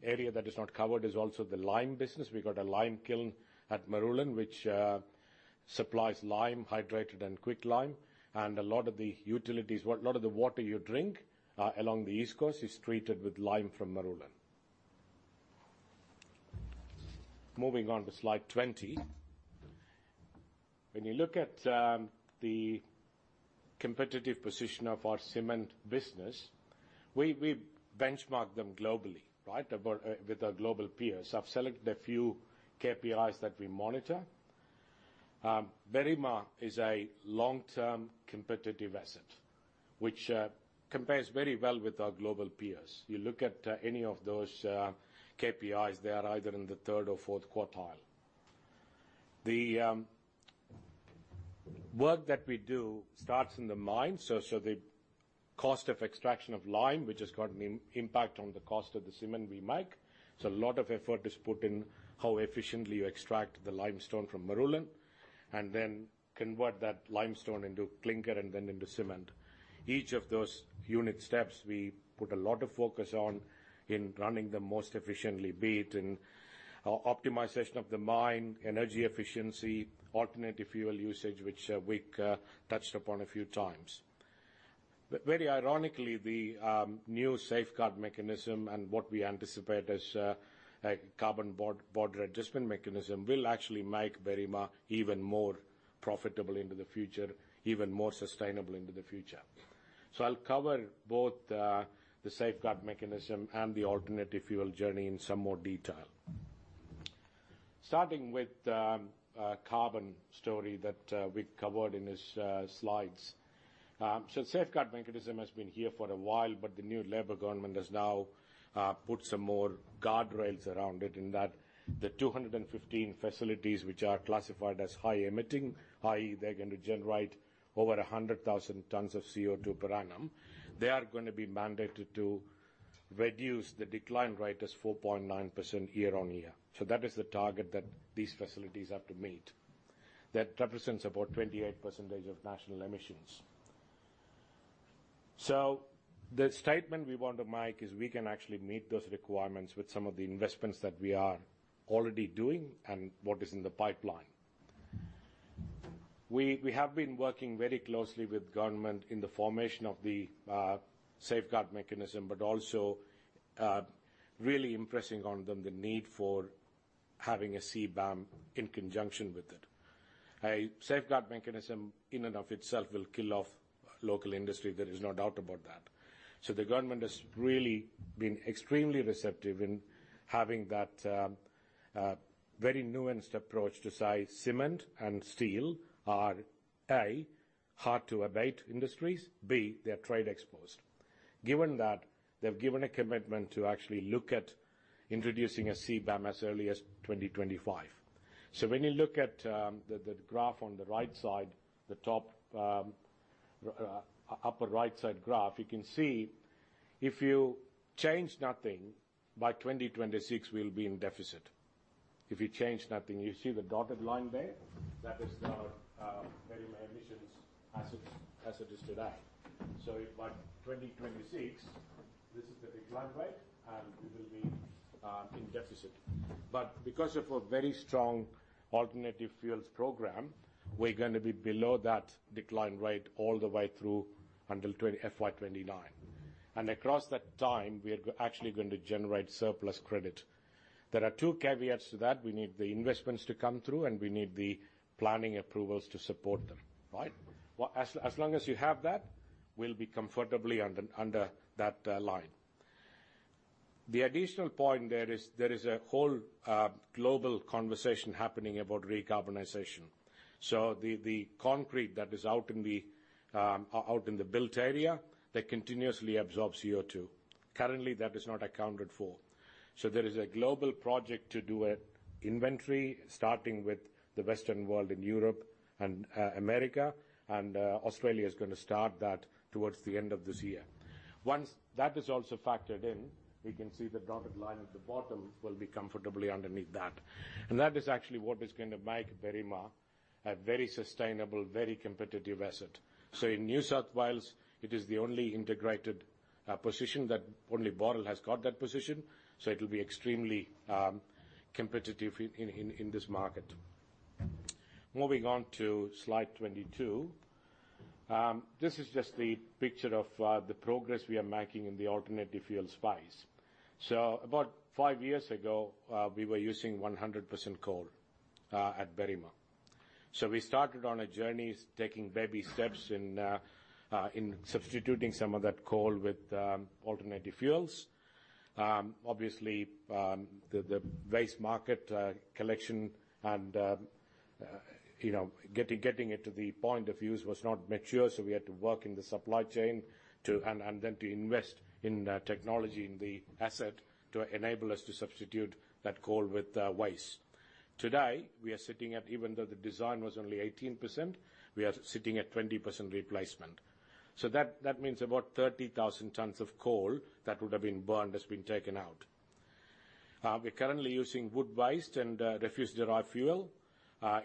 area that is not covered is also the lime business. We got a lime kiln at Marulan, which supplies lime, hydrated and quicklime, and a lot of the utilities, a lot of the water you drink, along the East Coast is treated with lime from Marulan. Moving on to slide 20. When you look at the competitive position of our cement business, we benchmark them globally, right? with our global peers. I've selected a few KPIs that we monitor. Berrima is a long-term competitive asset, which compares very well with our global peers. You look at any of those KPIs, they are either in the third or fourth quartile. The work that we do starts in the mine, so the cost of extraction of lime, which has got an impact on the cost of the cement we make, so a lot of effort is put in how efficiently you extract the limestone from Marulan, and then convert that limestone into clinker and then into cement. Each of those unit steps, we put a lot of focus on in running them most efficiently, be it in optimization of the mine, energy efficiency, alternative fuel usage, which Vik touched upon a few times. Very ironically, the new Safeguard Mechanism and what we anticipate as a carbon border adjustment mechanism will actually make Berrima even more profitable into the future, even more sustainable into the future. I'll cover both the Safeguard Mechanism and the alternative fuel journey in some more detail. Starting with the carbon story that we've covered in his slides. Safeguard Mechanism has been here for a while, but the new Labor government has now put some more guardrails around it in that the 215 facilities which are classified as high emitting, i.e., they're going to generate over 100,000 tons of CO2 per annum, they are going to be mandated to reduce the decline rate as 4.9% year-on-year. That is the target that these facilities have to meet. That represents about 28% of national emissions. The statement we want to make is we can actually meet those requirements with some of the investments that we are already doing and what is in the pipeline. We have been working very closely with government in the formation of the Safeguard Mechanism, but also really impressing on them the need for having a CBAM in conjunction with it. A Safeguard Mechanism in and of itself will kill off local industry, there is no doubt about that. The government has really been extremely receptive in having that very nuanced approach to say cement and steel are, A, hard-to-abate industries, B, they are trade exposed. Given that, they've given a commitment to actually look at introducing a CBAM as early as 2025. When you look at the graph on the right side, the top upper right side graph, you can see if you change nothing, by 2026, we'll be in deficit. If you change nothing, you see the dotted line there? That is our very emissions as it is today. By 2026, this is the decline rate, and we will be in deficit. Because of a very strong alternative fuels program, we're going to be below that decline rate all the way through until FY29. Across that time, we are actually going to generate surplus credit. There are two caveats to that. We need the investments to come through, and we need the planning approvals to support them. Right? As long as you have that, we'll be comfortably under that line. The additional point there is, there is a whole, global conversation happening about recarbonization. The concrete that is out in the, out in the built area, that continuously absorbs CO2. Currently, that is not accounted for. There is a global project to do an inventory, starting with the Western world in Europe and America, and Australia is going to start that towards the end of this year. Once that is also factored in, we can see the dotted line at the bottom will be comfortably underneath that. That is actually what is going to make Berrima a very sustainable, very competitive asset. In New South Wales, it is the only integrated position that only Boral has got that position, so it will be extremely competitive in this market. Moving on to slide 22. This is just the picture of the progress we are making in the alternative fuels space. About five years ago, we were using 100% coal at Berrima. We started on a journey, taking baby steps in substituting some of that coal with alternative fuels. Obviously, the waste market collection and, you know, getting it to the point of use was not mature, so we had to work in the supply chain to... And, then to invest in technology in the asset to enable us to substitute that coal with waste. Today, we are sitting at, even though the design was only 18%, we are sitting at 20% replacement. That means about 30,000 tons of coal that would have been burned has been taken out. We're currently using wood waste and refuse-derived fuel.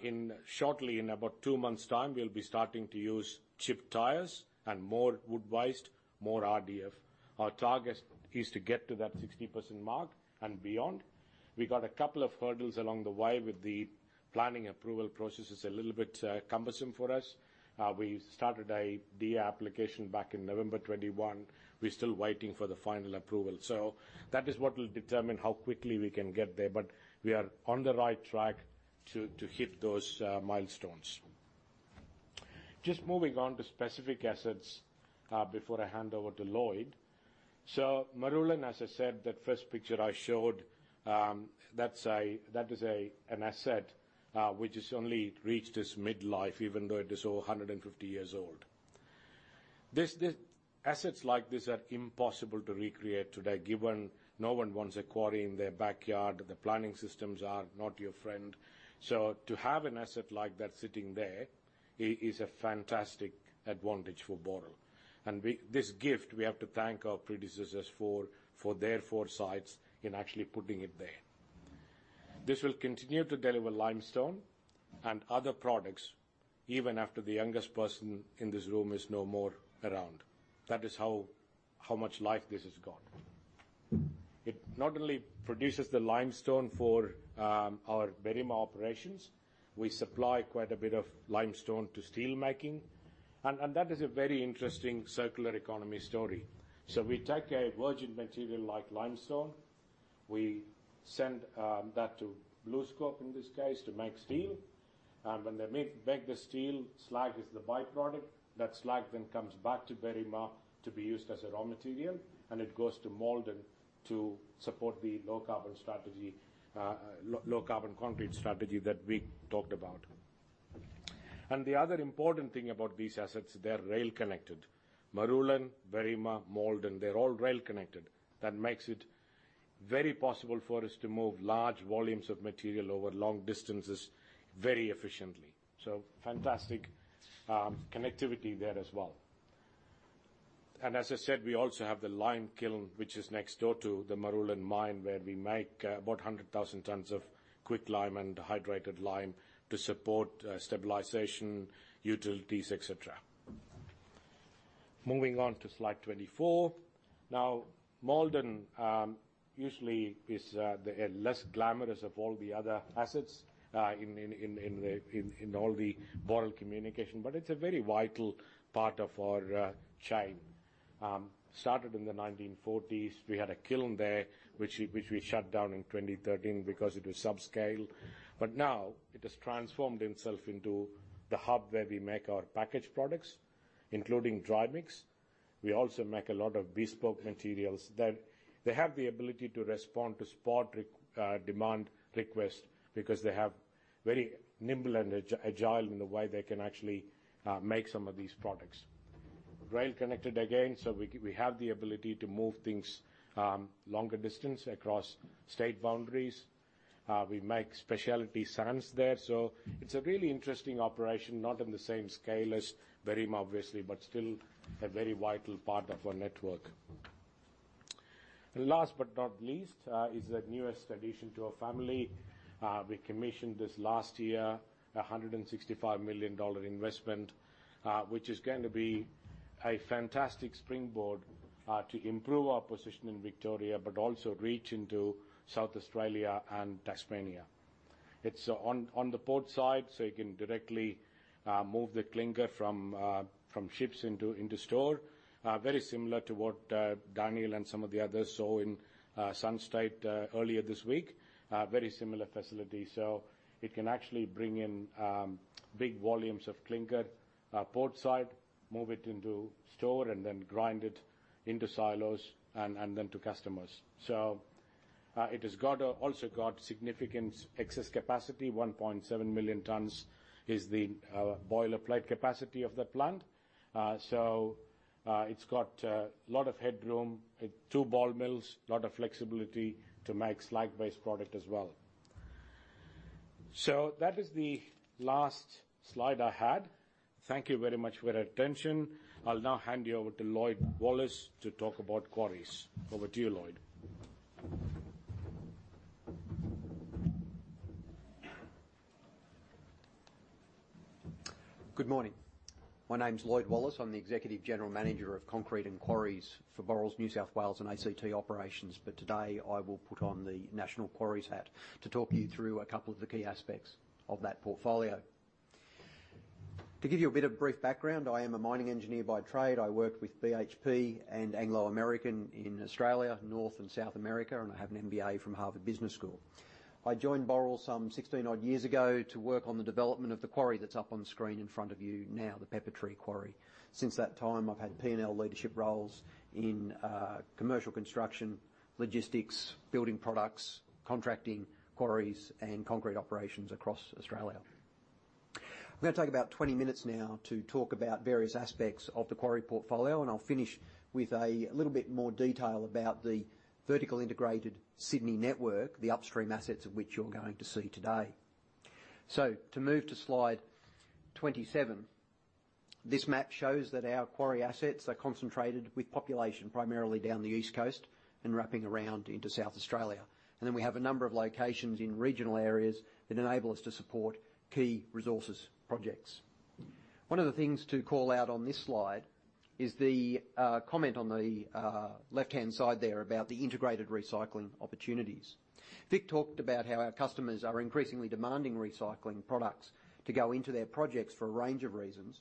In shortly, in about two months' time, we'll be starting to use chipped tires and more wood waste, more RDF. Our target is to get to that 60% mark and beyond. We got a couple of hurdles along the way with the planning approval process is a little bit cumbersome for us. We started a DEAR application back in November 2021. We're still waiting for the final approval. That is what will determine how quickly we can get there, but we are on the right track to hit those milestones. Just moving on to specific assets, before I hand over to Lloyd. Marulan, as I said, that first picture I showed, that is an asset, which has only reached its midlife, even though it is over 150 years old. Assets like this are impossible to recreate today, given no one wants a quarry in their backyard, the planning systems are not your friend. To have an asset like that sitting there is a fantastic advantage for Boral. This gift, we have to thank our predecessors for their foresights in actually putting it there. This will continue to deliver limestone and other products even after the youngest person in this room is no more around. That is how much life this has got. It not only produces the limestone for our Berrima operations, we supply quite a bit of limestone to steelmaking, and that is a very interesting circular economy story. We take a virgin material like limestone, we send that to BlueScope, in this case, to make steel. When they make the steel, slag is the byproduct. That slag then comes back to Berrima to be used as a raw material, and it goes to Maldon to support the low-carbon strategy, low-carbon concrete strategy that we talked about. The other important thing about these assets, they're rail connected. Marulan, Berrima, Maldon, they're all rail connected. That makes it very possible for us to move large volumes of material over long distances very efficiently. Fantastic connectivity there as well. As I said, we also have the lime kiln, which is next door to the Marulan mine, where we make about 100,000 tons of quick lime and hydrated lime to support stabilization, utilities, et cetera. Moving on to slide 24. Maldon usually is the less glamorous of all the other assets in all the Boral communication, but it's a very vital part of our chain. Started in the 1940s. We had a kiln there, which we shut down in 2013 because it was subscale. Now it has transformed itself into the hub where we make our packaged products, including dry mix. We also make a lot of bespoke materials that they have the ability to respond to spot demand requests because they have very nimble and agile in the way they can actually make some of these products. Rail connected again, so we have the ability to move things longer distance across state boundaries. We make specialty sands there, so it's a really interesting operation. Not on the same scale as Berrim, obviously, but still a very vital part of our network. Last but not least is the newest addition to our family. We commissioned this last year, an 165 million dollar investment, which is going to be a fantastic springboard to improve our position in Victoria, but also reach into South Australia and Tasmania. It's on the port side, so you can directly move the clinker from ships into store. Very similar to what Daniel and some of the others saw in Sunstate earlier this week. Very similar facility. It can actually bring in big volumes of clinker portside, move it into store, and then grind it into silos and then to customers. It has also got significant excess capacity. 1.7 million tons is the boiler plate capacity of the plant. It's got a lot of headroom, two ball mills, a lot of flexibility to make slag-based product as well. That is the last slide I had. Thank you very much for your attention. I'll now hand you over to Lloyd Wallace to talk about quarries. Over to you, Lloyd. Good morning. My name's Lloyd Wallace. I'm the Executive General Manager of Concrete and Quarries for Boral's New South Wales and ACT operations. Today I will put on the national quarries hat to talk you through a couple of the key aspects of that portfolio. To give you a bit of brief background, I am a mining engineer by trade. I worked with BHP and Anglo American in Australia, North and South America. I have an MBA from Harvard Business School. I joined Boral some 16 odd years ago to work on the development of the quarry that's up on the screen in front of you now, the Peppertree Quarry. Since that time, I've had P&L leadership roles in commercial construction, logistics, building products, contracting, quarries, and concrete operations across Australia. I'm going to take about 20 minutes now to talk about various aspects of the quarry portfolio, and I'll finish with a little bit more detail about the vertically integrated Sydney network, the upstream assets of which you're going to see today. To move to slide 27, this map shows that our quarry assets are concentrated with population, primarily down the East Coast and wrapping around into South Australia. We have a number of locations in regional areas that enable us to support key resources projects. One of the things to call out on this slide is the comment on the left-hand side there about the integrated recycling opportunities. Vic talked about how our customers are increasingly demanding recycling products to go into their projects for a range of reasons.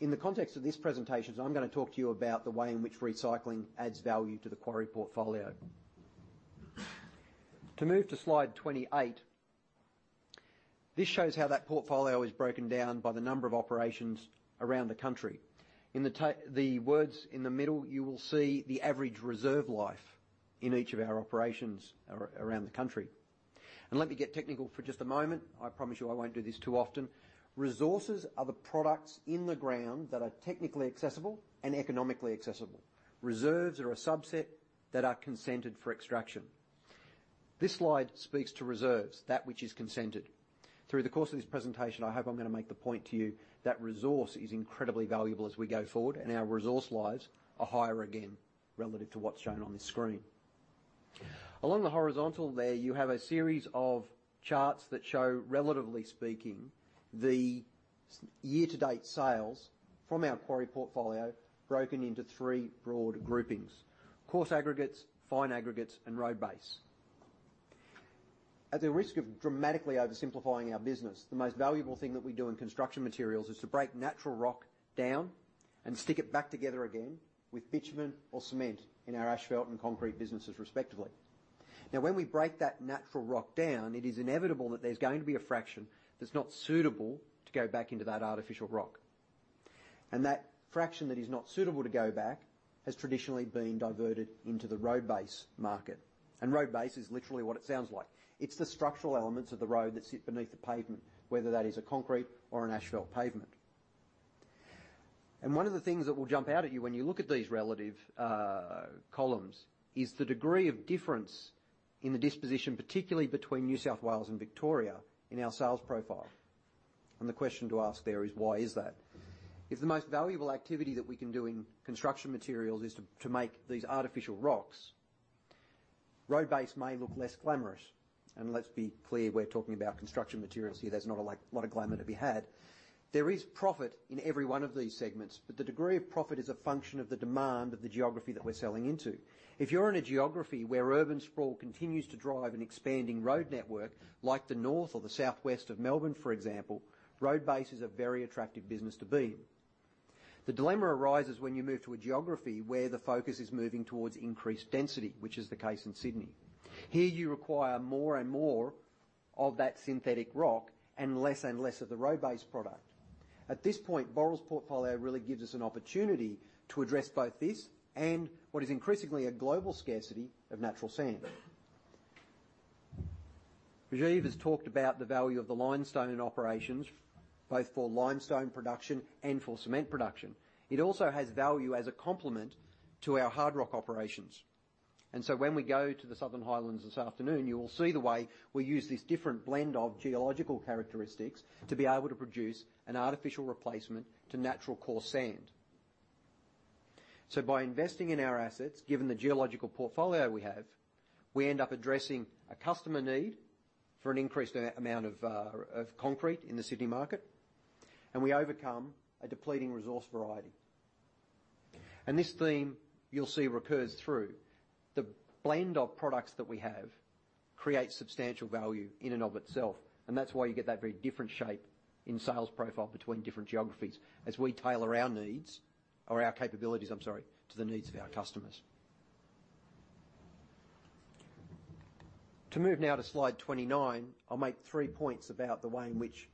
In the context of this presentation, I'm gonna talk to you about the way in which recycling adds value to the quarry portfolio. To move to slide 28, this shows how that portfolio is broken down by the number of operations around the country. The words in the middle, you will see the average reserve life in each of our operations around the country. Let me get technical for just a moment. I promise you I won't do this too often. Resources are the products in the ground that are technically accessible and economically accessible. Reserves are a subset that are consented for extraction. This slide speaks to reserves, that which is consented. Through the course of this presentation, I hope I'm gonna make the point to you that resource is incredibly valuable as we go forward, and our resource lives are higher again relative to what's shown on this screen. Along the horizontal there, you have a series of charts that show, relatively speaking, the year-to-date sales from our quarry portfolio, broken into three broad groupings: coarse aggregates, fine aggregates, and road base. At the risk of dramatically oversimplifying our business, the most valuable thing that we do in construction materials is to break natural rock down and stick it back together again with bitumen or cement in our asphalt and concrete businesses respectively. When we break that natural rock down, it is inevitable that there's going to be a fraction that's not suitable to go back into that artificial rock, and that fraction that is not suitable to go back has traditionally been diverted into the road base market. Road base is literally what it sounds like. It's the structural elements of the road that sit beneath the pavement, whether that is a concrete or an asphalt pavement. One of the things that will jump out at you when you look at these relative columns, is the degree of difference in the disposition, particularly between New South Wales and Victoria in our sales profile. The question to ask there is, why is that? If the most valuable activity that we can do in construction materials is to make these artificial rocks, road base may look less glamorous. Let's be clear, we're talking about construction materials here. There's not a lot of glamour to be had. There is profit in every one of these segments, but the degree of profit is a function of the demand of the geography that we're selling into. If you're in a geography where urban sprawl continues to drive an expanding road network, like the north or the southwest of Melbourne, for example, road base is a very attractive business to be in. The dilemma arises when you move to a geography where the focus is moving towards increased density, which is the case in Sydney. Here, you require more and more of that synthetic rock, and less and less of the road base product. At this point, Boral's portfolio really gives us an opportunity to address both this and what is increasingly a global scarcity of natural sand. Rajiv has talked about the value of the limestone in operations, both for limestone production and for cement production. It also has value as a complement to our hard rock operations. When we go to the Southern Highlands this afternoon, you will see the way we use this different blend of geological characteristics to be able to produce an artificial replacement to natural coarse sand. By investing in our assets, given the geological portfolio we have, we end up addressing a customer need for an increased amount of concrete in the Sydney market, and we overcome a depleting resource variety. This theme, you'll see, recurs through. The blend of products that we have creates substantial value in and of itself, that's why you get that very different shape in sales profile between different geographies as we tailor our needs, or our capabilities, I'm sorry, to the needs of our customers. To move now to slide 29, I'll make three points about the way in which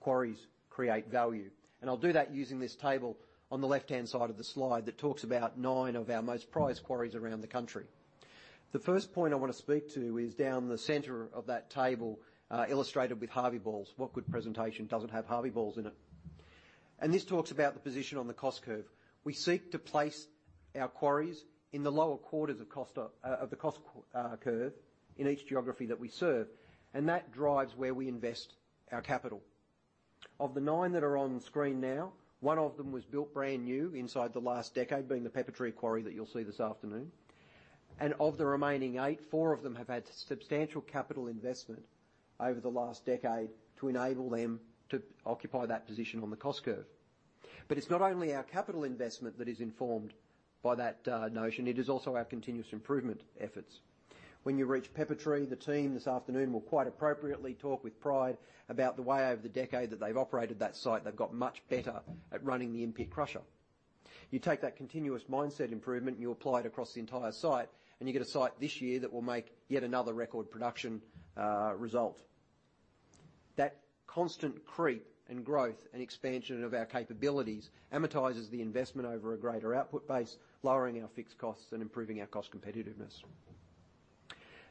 quarries create value, I'll do that using this table on the left-hand side of the slide that talks about nine of our most prized quarries around the country. The first point I wanna speak to is down the center of that table, illustrated with Harvey balls. What good presentation doesn't have Harvey balls in it? This talks about the position on the cost curve. We seek to place our quarries in the lower quarters of the cost curve in each geography that we serve, and that drives where we invest our capital. Of the nine that are on screen now, one of them was built brand new inside the last decade, being the Peppertree Quarry that you'll see this afternoon. Of the remaining eight, four of them have had substantial capital investment over the last decade to enable them to occupy that position on the cost curve. It's not only our capital investment that is informed by that notion, it is also our continuous improvement efforts. When you reach Peppertree, the team this afternoon will quite appropriately talk with pride about the way over the decade that they've operated that site. They've got much better at running the in-pit crusher. You take that continuous mindset improvement, and you apply it across the entire site, and you get a site this year that will make yet another record production, result. That constant creep and growth and expansion of our capabilities amortizes the investment over a greater output base, lowering our fixed costs and improving our cost competitiveness.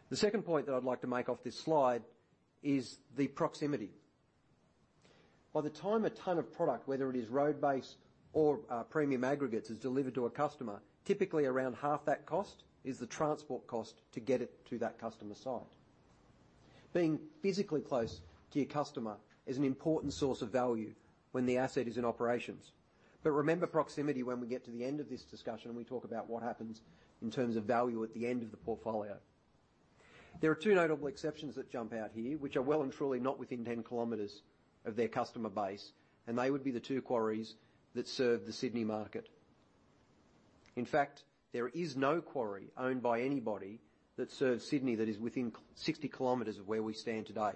The second point that I'd like to make off this slide is the proximity. By the time a ton of product, whether it is road base or, premium aggregates, is delivered to a customer, typically around half that cost is the transport cost to get it to that customer site. Being physically close to your customer is an important source of value when the asset is in operations. Remember proximity when we get to the end of this discussion, and we talk about what happens in terms of value at the end of the portfolio. There are two notable exceptions that jump out here, which are well and truly not within 10 kilometers of their customer base, and they would be the two quarries that serve the Sydney market. In fact, there is no quarry owned by anybody that serves Sydney that is within 60 kilometers of where we stand today.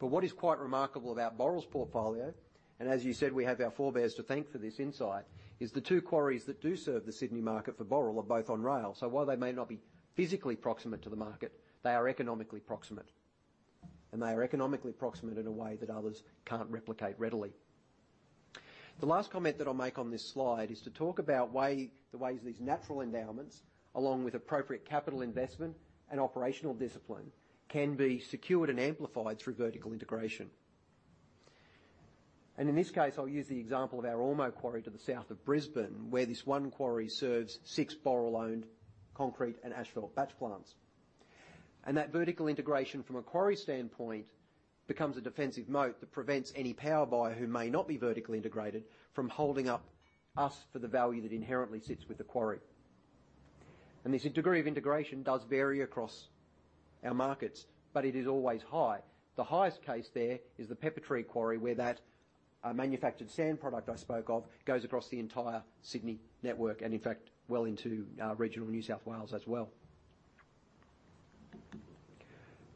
What is quite remarkable about Boral's portfolio, and as you said, we have our forebears to thank for this insight, is the two quarries that do serve the Sydney market for Boral are both on rail. While they may not be physically proximate to the market, they are economically proximate, and they are economically proximate in a way that others can't replicate readily. The last comment that I'll make on this slide is to talk about the ways these natural endowments, along with appropriate capital investment and operational discipline, can be secured and amplified through vertical integration. In this case, I'll use the example of our Ormeau Quarry to the south of Brisbane, where this one quarry serves six Boral-owned concrete and asphalt batch plants. That vertical integration from a quarry standpoint becomes a defensive moat that prevents any power buyer who may not be vertically integrated from holding up us for the value that inherently sits with the quarry. This degree of integration does vary across our markets, but it is always high. The highest case there is the Peppertree Quarry, where that manufactured sand product I spoke of goes across the entire Sydney network and, in fact, well into regional New South Wales as well.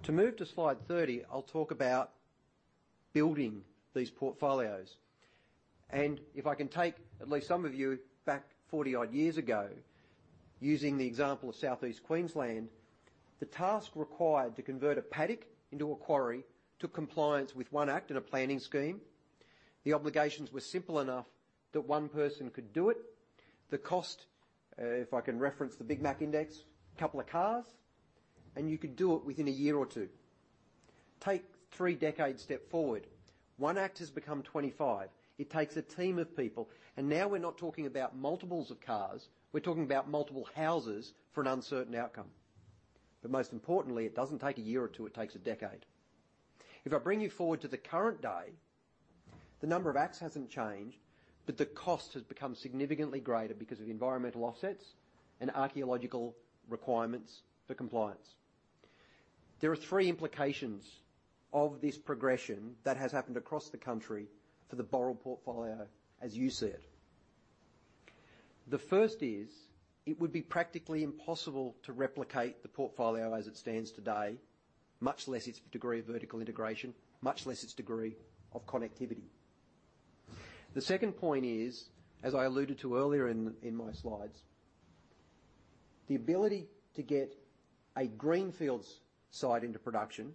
To move to slide 30, I'll talk about building these portfolios. If I can take at least some of you back 40-odd years ago, using the example of Southeast Queensland, the task required to convert a paddock into a quarry to compliance with one act and a planning scheme, the obligations were simple enough that one person could do it. The cost, if I can reference the Big Mac Index, a couple of cars, and you could do it within a year or two. Take three decades, step forward. one act has become 25. It takes a team of people, and now we're not talking about multiples of cars, we're talking about multiple houses for an uncertain outcome. Most importantly, it doesn't take a year or two, it takes a decade. The number of acts hasn't changed, but the cost has become significantly greater because of environmental offsets and archaeological requirements for compliance. There are three implications of this progression that has happened across the country for the Boral portfolio, as you said. The first is, it would be practically impossible to replicate the portfolio as it stands today, much less its degree of vertical integration, much less its degree of connectivity. The second point is, as I alluded to earlier in my slides, the ability to get a greenfields site into production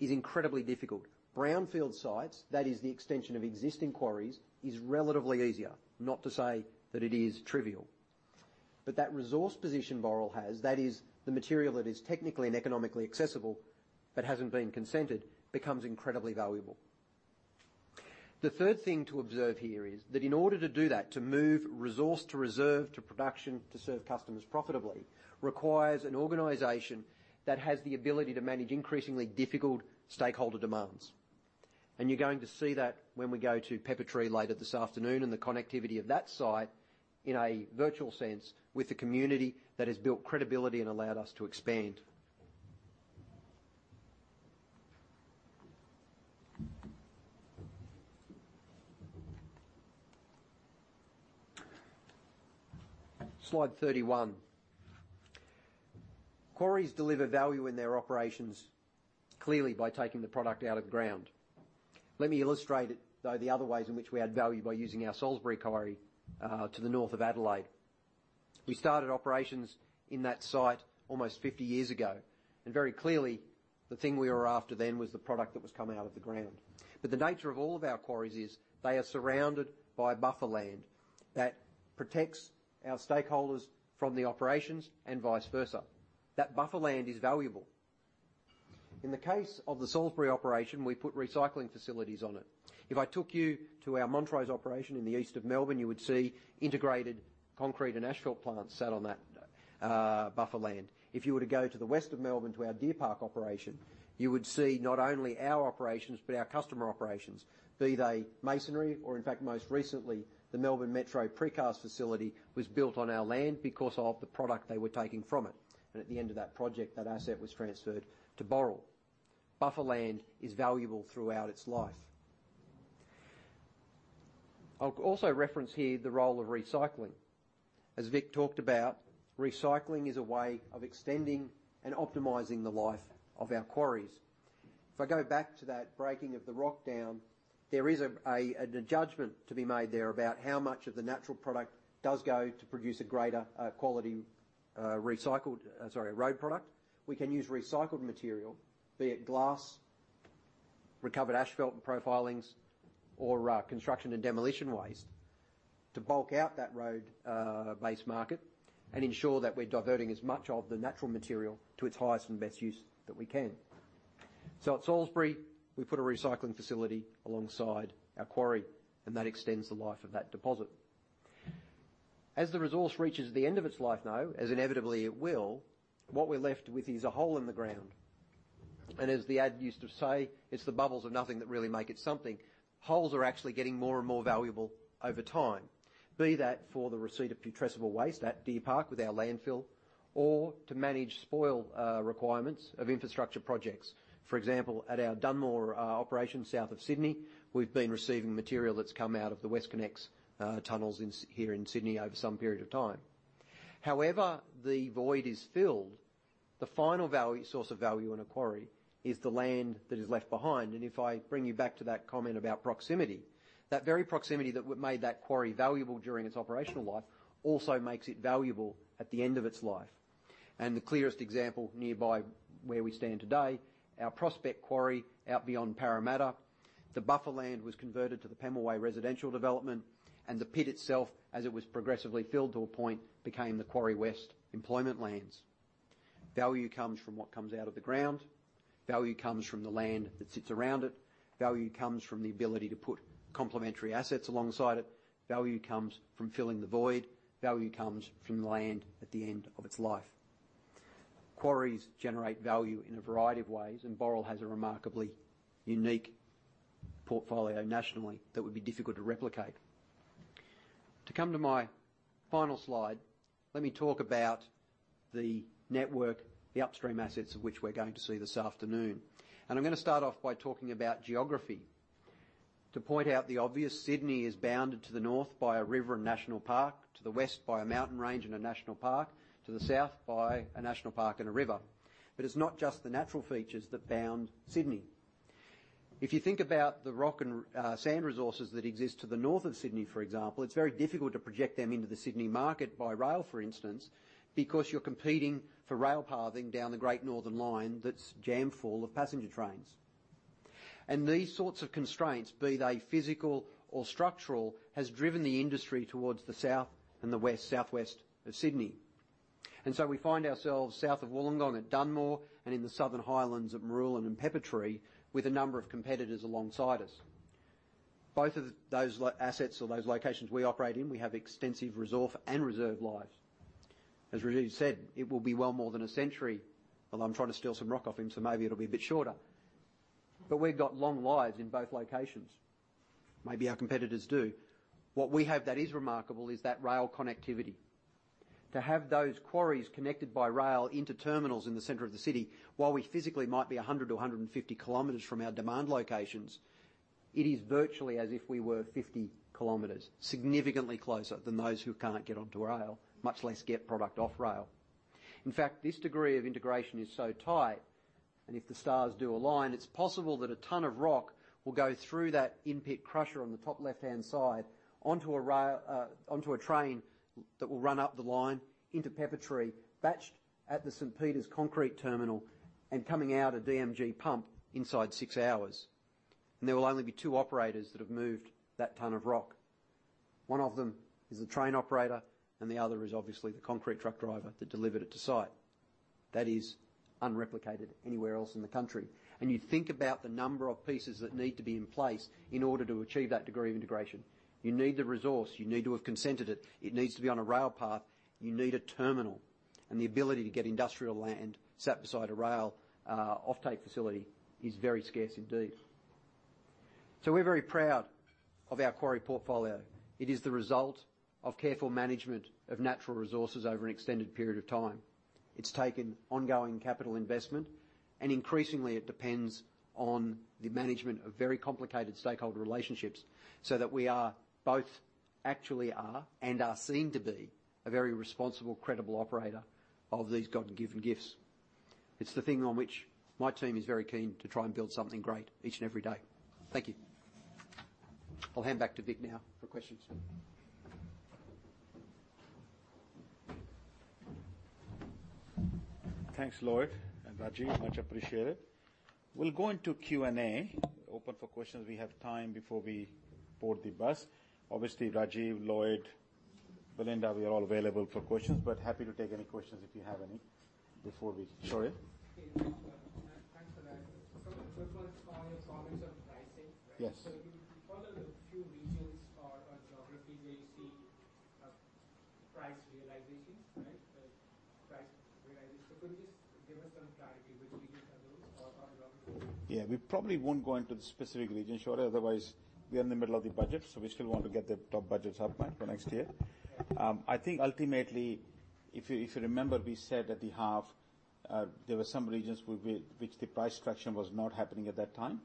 is incredibly difficult. Brownfield sites, that is the extension of existing quarries, is relatively easier, not to say that it is trivial. That resource position Boral has, that is the material that is technically and economically accessible but hasn't been consented, becomes incredibly valuable. The third thing to observe here is that in order to do that, to move resource, to reserve, to production, to serve customers profitably, requires an organization that has the ability to manage increasingly difficult stakeholder demands. You're going to see that when we go to Peppertree later this afternoon, and the connectivity of that site, in a virtual sense, with the community that has built credibility and allowed us to expand. Slide 31. Quarries deliver value in their operations, clearly by taking the product out of the ground. Let me illustrate it, though, the other ways in which we add value by using our Salisbury Quarry to the north of Adelaide. We started operations in that site almost 50 years ago, very clearly, the thing we were after then was the product that was coming out of the ground. The nature of all of our quarries is they are surrounded by buffer land that protects our stakeholders from the operations and vice versa. That buffer land is valuable. In the case of the Salisbury operation, we put recycling facilities on it. If I took you to our Montrose operation in the east of Melbourne, you would see integrated concrete and asphalt plants sat on that buffer land. If you were to go to the west of Melbourne, to our Deer Park operation, you would see not only our operations, but our customer operations, be they masonry or in fact, most recently, the Melbourne Metro Precast facility was built on our land because of the product they were taking from it, and at the end of that project, that asset was transferred to Boral. Buffer land is valuable throughout its life. I'll also reference here the role of recycling. As Vic talked about, recycling is a way of extending and optimizing the life of our quarries. If I go back to that breaking of the rock down, there is a judgment to be made there about how much of the natural product does go to produce a greater quality, recycled, sorry, road product. We can use recycled material, be it glass, recovered asphalt and profilings, or construction and demolition waste, to bulk out that road base market and ensure that we're diverting as much of the natural material to its highest and best use that we can. At Salisbury, we put a recycling facility alongside our quarry, and that extends the life of that deposit. As the resource reaches the end of its life, though, as inevitably it will, what we're left with is a hole in the ground. As the ad used to say, "It's the bubbles of nothing that really make it something." Holes are actually getting more and more valuable over time, be that for the receipt of putrescible waste at Deer Park with our landfill, or to manage spoil, requirements of infrastructure projects. For example, at our Dunmore, operation, south of Sydney, we've been receiving material that's come out of the WestConnex, tunnels here in Sydney over some period of time. However, the void is filled, the final value, source of value in a quarry is the land that is left behind. If I bring you back to that comment about proximity, that very proximity that made that quarry valuable during its operational life also makes it valuable at the end of its life. The clearest example nearby, where we stand today, our Prospect Quarry out beyond Parramatta, the buffer land was converted to the Pemulwuy Residential Development, and the pit itself, as it was progressively filled to a point, became the Quarry West Employment Lands. Value comes from what comes out of the ground. Value comes from the land that sits around it. Value comes from the ability to put complementary assets alongside it. Value comes from filling the void. Value comes from the land at the end of its life. Quarries generate value in a variety of ways, and Boral has a remarkably unique portfolio nationally that would be difficult to replicate. To come to my final slide, let me talk about the network, the upstream assets, of which we're going to see this afternoon. I'm gonna start off by talking about geography. To point out the obvious, Sydney is bounded to the north by a river and national park, to the west by a mountain range and a national park, to the south by a national park and a river. It's not just the natural features that bound Sydney. If you think about the rock and sand resources that exist to the north of Sydney, for example, it's very difficult to project them into the Sydney market by rail, for instance, because you're competing for rail pathing down the Great Northern Line that's jam-full of passenger trains. These sorts of constraints, be they physical or structural, has driven the industry towards the south and the west, southwest of Sydney. We find ourselves south of Wollongong at Dunmore and in the Southern Highlands at Marulan and Peppertree, with a number of competitors alongside us. Both of those assets or those locations we operate in, we have extensive reserve and reserve lives. As Rajiv said, it will be well more than a century, although I'm trying to steal some rock off him, so maybe it'll be a bit shorter. We've got long lives in both locations. Maybe our competitors do. What we have that is remarkable is that rail connectivity. To have those quarries connected by rail into terminals in the center of the city, while we physically might be 100-150 kilometers from our demand locations, it is virtually as if we were 50 kilometers, significantly closer than those who can't get onto rail, much less get product off rail. In fact, this degree of integration is so tight, if the stars do align, it's possible that a ton of rock will go through that in-pit crusher on the top left-hand side, onto a rail, onto a train that will run up the line into Peppertree, batched at the St. Peters Concrete terminal, and coming out a DMG pump inside six hours. There will only be two operators that have moved that ton of rock. One of them is the train operator, and the other is obviously the concrete truck driver that delivered it to site. That is unreplicated anywhere else in the country. You think about the number of pieces that need to be in place in order to achieve that degree of integration. You need the resource. You need to have consented it. It needs to be on a rail path. You need a terminal, and the ability to get industrial land sat beside a rail offtake facility is very scarce indeed. We're very proud of our quarry portfolio. It is the result of careful management of natural resources over an extended period of time. It's taken ongoing capital investment, increasingly it depends on the management of very complicated stakeholder relationships, so that we are both actually are, and are seen to be, a very responsible, credible operator of these God-given gifts. It's the thing on which my team is very keen to try and build something great each and every day. Thank you. I'll hand back to Vic now for questions. Thanks, Lloyd and Rajiv. Much appreciated. We'll go into Q&A. Open for questions. We have time before we board the bus. Obviously, Rajiv, Lloyd, Belinda, we are all available for questions, but happy to take any questions if you have any before we. Okay, thanks for that. The first one is on your comments on pricing, right? Yes. You followed a few regions or geographies, where you see price realizations, right? The price realizations. Could you just give us some clarity between those or on those? We probably won't go into the specific region, sure. Otherwise, we are in the middle of the budget. We still want to get the top budgets up by, for next year. I think ultimately, if you, if you remember, we said at the half, there were some regions where the price traction was not happening at that time.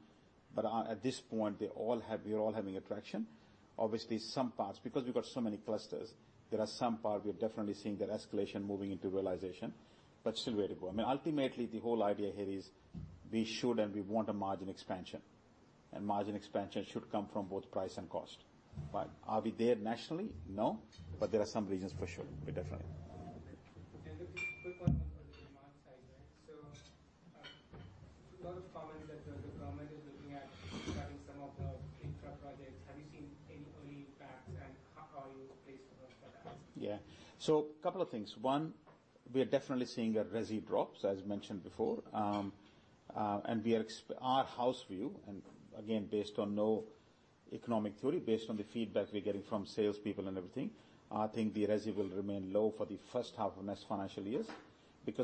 At this point, we are all having a traction. Obviously, some parts, because we've got so many clusters, there are some part we are definitely seeing that escalation moving into realization, but still very good. I mean, ultimately, the whole idea here is we should and we want a margin expansion, and margin expansion should come from both price and cost. Are we there nationally? No. There are some regions for sure. We're definitely. Okay, quick one on the demand side, right. A lot of comments that the government is looking at cutting some of the infra projects. Have you seen any early facts and how are you placed for that? Yeah. Couple of things. One, we are definitely seeing a resi drops, as mentioned before. We are our house view, and again, based on no economic theory, based on the feedback we're getting from salespeople and everything, I think the resi will remain low for the first half of next financial years.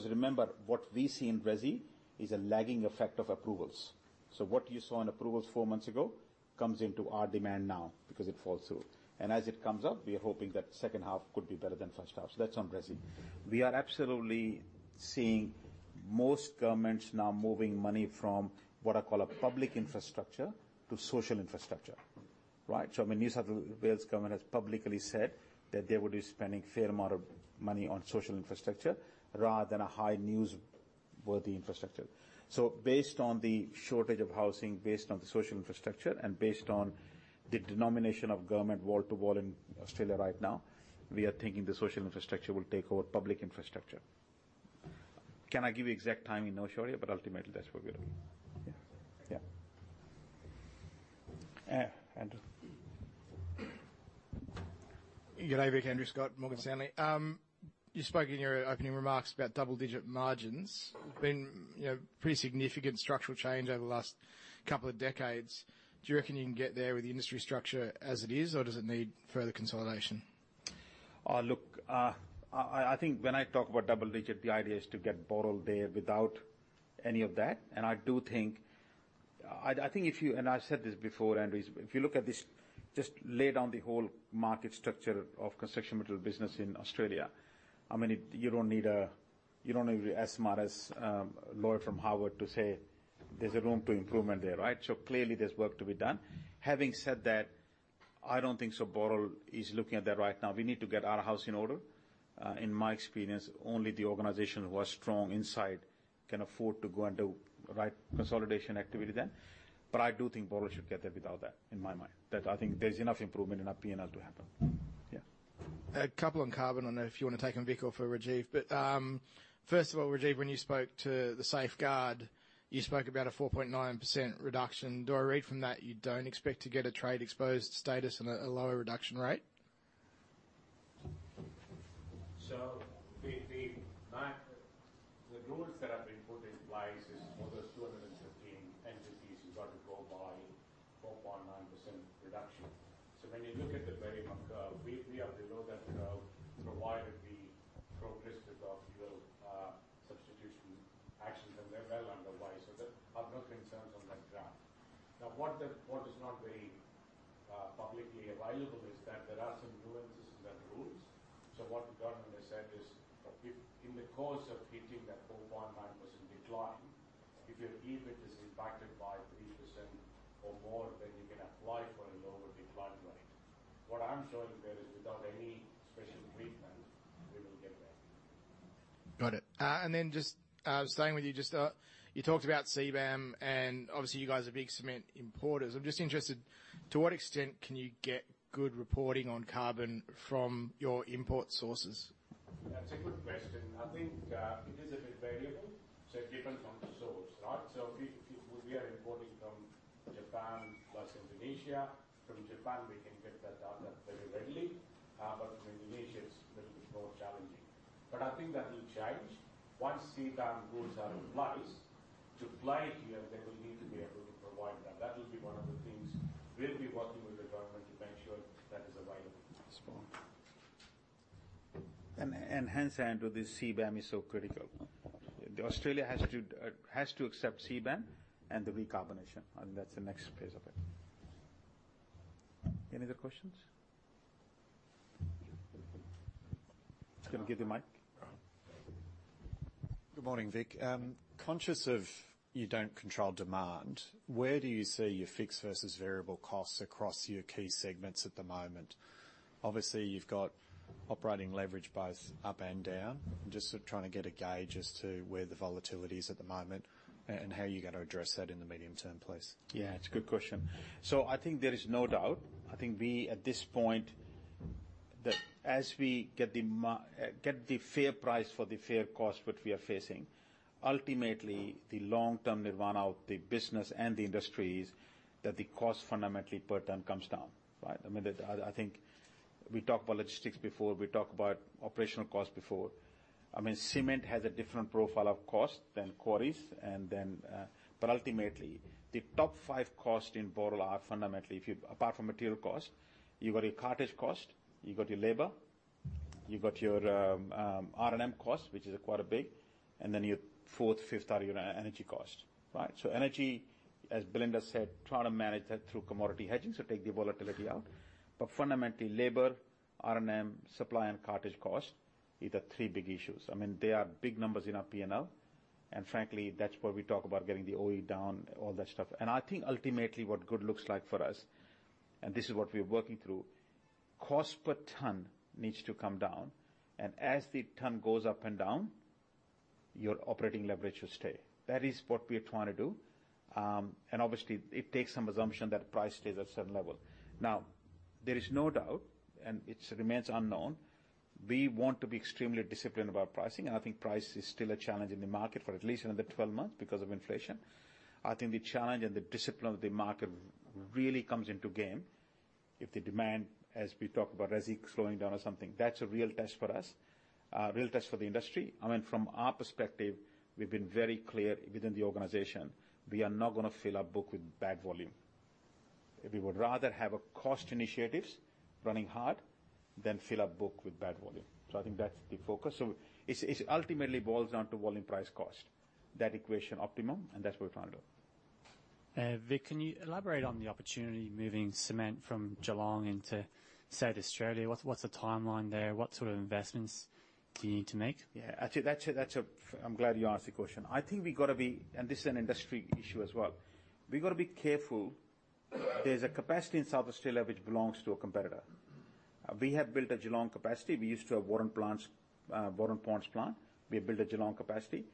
Remember, what we see in resi is a lagging effect of approvals. What you saw in approvals four months ago comes into our demand now because it falls through. As it comes up, we are hoping that the second half could be better than first half. That's on resi. We are absolutely seeing most governments now moving money from what I call a public infrastructure to social infrastructure, right? I mean, New South Wales government has publicly said that they would be spending a fair amount of money on social infrastructure rather than a high newsworthy infrastructure. Based on the shortage of housing, based on the social infrastructure, and based on the denomination of government wall-to-wall in Australia right now, we are thinking the social infrastructure will take over public infrastructure. Can I give you exact timing? No, sure, but ultimately, that's where we are. Yeah. Yeah. Andrew. Good day, Vic, Andrew Scott, Morgan Stanley. You spoke in your opening remarks about double-digit margins. Been, you know, pretty significant structural change over the last couple of decades. Do you reckon you can get there with the industry structure as it is, or does it need further consolidation? I think when I talk about double-digit, the idea is to get Boral there without any of that. I think if you, and I've said this before, Andrew, if you look at this, just lay down the whole market structure of construction material business in Australia. I mean, you don't need to be as smart as Lloyd from Harvard to say there's a room to improvement there, right? Clearly, there's work to be done. Having said that, I don't think so Boral is looking at that right now. We need to get our house in order. In my experience, only the organization who are strong inside can afford to go and do right consolidation activity then. I do think Boral should get there without that, in my mind. I think there's enough improvement and P&L to happen. Yeah. A couple on carbon. I don't know if you want to take them, Vic, or for Rajiv, but, first of all, Rajiv, when you spoke to the Safeguard Mechanism, you spoke about a 4.9% reduction. Do I read from that, you don't expect to get a trade-exposed status and a lower reduction rate? The rules that have been put in place is for those 215 entities, you got to go by 4.9% reduction. When you look at the very mark curve, we are below that curve, provided we progress with our fuel substitution actions, and they're well underway, so there are no concerns on that front. Now, what is not very. publicly available is that there are some nuances in that rules. What the government has said is, if in the course of hitting that 4.9% decline, if your emission is impacted by 3% or more, then you can apply for a lower decline rate. What I'm showing there is, without any special treatment, we will get there. Got it. Just, staying with you, just, you talked about CBAM, and obviously, you guys are big cement importers. I'm just interested, to what extent can you get good reporting on carbon from your import sources? That's a good question. I think, it is a bit variable, so it depends on the source, right? If we are importing from Japan plus Indonesia, from Japan, we can get that data very readily. From Indonesia, it's little bit more challenging. I think that will change once CBAM rules are in place. To play here, they will need to be able to provide that. That will be one of the things we'll be working with the government to make sure that is available. That's fine. Hence, Andrew, this CBAM is so critical. Australia has to accept CBAM and the decarbonation, and that's the next phase of it. Any other questions? Just gonna give you the mic. Good morning, Vik. conscious of you don't control demand, where do you see your fixed versus variable costs across your key segments at the moment? Obviously, you've got operating leverage both up and down. I'm just sort of trying to get a gauge as to where the volatility is at the moment and how you're going to address that in the medium term, please. It's a good question. I think there is no doubt, I think we, at this point, that as we get the fair price for the fair cost what we are facing, ultimately, the long-term level out the business and the industries, that the cost fundamentally per ton comes down, right? I mean, that I think we talked about logistics before, we talked about operational costs before. I mean, cement has a different profile of cost than quarries and then. Ultimately, the top five costs in Boral are fundamentally, if you, apart from material cost, you've got your cartage cost, you've got your labor, you've got your R&M cost, which is quite a big, and then your 4th, 5th are your energy cost, right? Energy, as Belinda said, trying to manage that through commodity hedging, so take the volatility out. Fundamentally, labor, R&M, supply, and cartage costs are the three big issues. I mean, they are big numbers in our P&L, and frankly, that's where we talk about getting the OE down, all that stuff. I think ultimately what good looks like for us, and this is what we're working through, cost per ton needs to come down, and as the ton goes up and down, your operating leverage should stay. That is what we are trying to do. Obviously, it takes some assumption that price stays at a certain level. Now, there is no doubt, and it remains unknown, we want to be extremely disciplined about pricing, and I think price is still a challenge in the market for at least another 12 months because of inflation. I think the challenge and the discipline of the market really comes into game if the demand, as we talk about resi slowing down or something, that's a real test for us, a real test for the industry. I mean, from our perspective, we've been very clear within the organization, we are not gonna fill our book with bad volume. We would rather have a cost initiatives running hard than fill a book with bad volume. I think that's the focus. It ultimately boils down to volume, price, cost. That equation optimum, and that's what we're trying to do. Vik, can you elaborate on the opportunity, moving cement from Geelong into South Australia? What's the timeline there? What sort of investments do you need to make? Yeah, actually, that's a. I'm glad you asked the question. I think this is an industry issue as well. We've got to be careful. There's a capacity in South Australia which belongs to a competitor. We have built a Geelong capacity. We used to have Waurn Ponds plant. We built a Geelong capacity.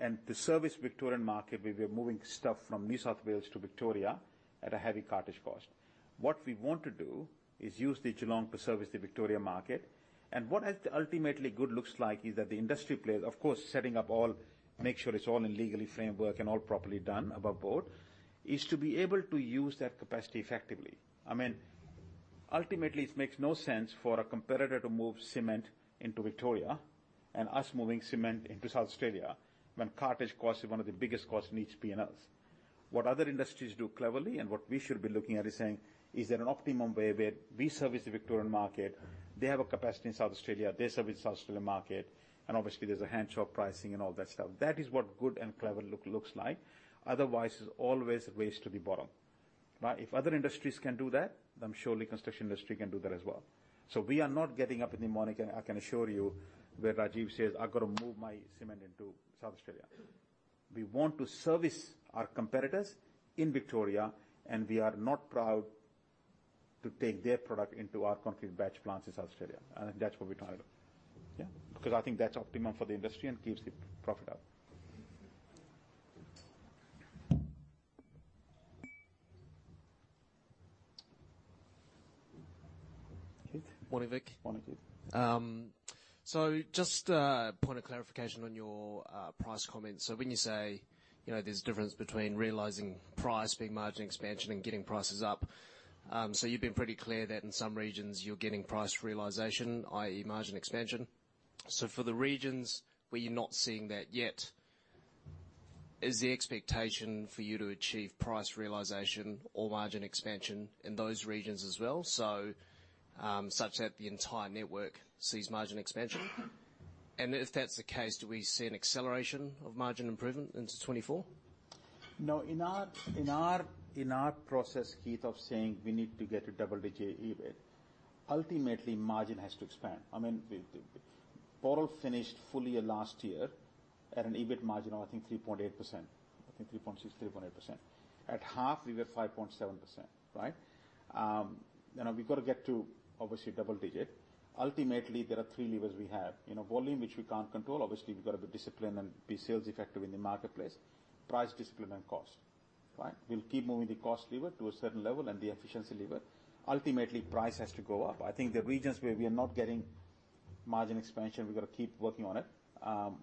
And to service Victorian market, we were moving stuff from New South Wales to Victoria at a heavy cartage cost. What we want to do is use the Geelong to service the Victoria market, and what ultimately good looks like is that the industry players, of course, setting up all, make sure it's all in legally framework and all properly done above board, is to be able to use that capacity effectively. I mean, ultimately, it makes no sense for a competitor to move cement into Victoria and us moving cement into South Australia when cartage cost is one of the biggest costs in each P&Ls. What other industries do cleverly, and what we should be looking at, is saying: Is there an optimum way where we service the Victorian market, they have a capacity in South Australia, they service South Australian market, obviously there's a handshore pricing and all that stuff. That is what good and clever looks like. Otherwise, there's always a race to the bottom, right? Surely construction industry can do that as well. We are not getting up in the morning, and I can assure you, where Rajiv says, "I've got to move my cement into South Australia." We want to service our competitors in Victoria, and we are not proud to take their product into our concrete batch plants in South Australia, and that's what we're trying to do. Yeah, because I think that's optimum for the industry and keeps the profit up. Keith? Morning, Vik. Morning, Keith. Just a point of clarification on your price comments. When you say, you know, there's a difference between realizing price, being margin expansion, and getting prices up, you've been pretty clear that in some regions you're getting price realization, i.e., margin expansion. For the regions where you're not seeing that yet, is the expectation for you to achieve price realization or margin expansion in those regions as well, so such that the entire network sees margin expansion?... if that's the case, do we see an acceleration of margin improvement into 2024? In our process, Keith, of saying we need to get to double-digit EBIT, ultimately margin has to expand. I mean, Boral finished full year last year at an EBIT margin of, I think, 3.8%. I think 3.6%, 3.8%. At half, we were 5.7%, right? You know, we've got to get to, obviously, double-digit. Ultimately, there are three levers we have. You know, volume, which we can't control. Obviously, we've got to be disciplined and be sales effective in the marketplace. Price discipline and cost, right? We'll keep moving the cost lever to a certain level and the efficiency lever. Ultimately, price has to go up. I think the regions where we are not getting margin expansion, we've got to keep working on it.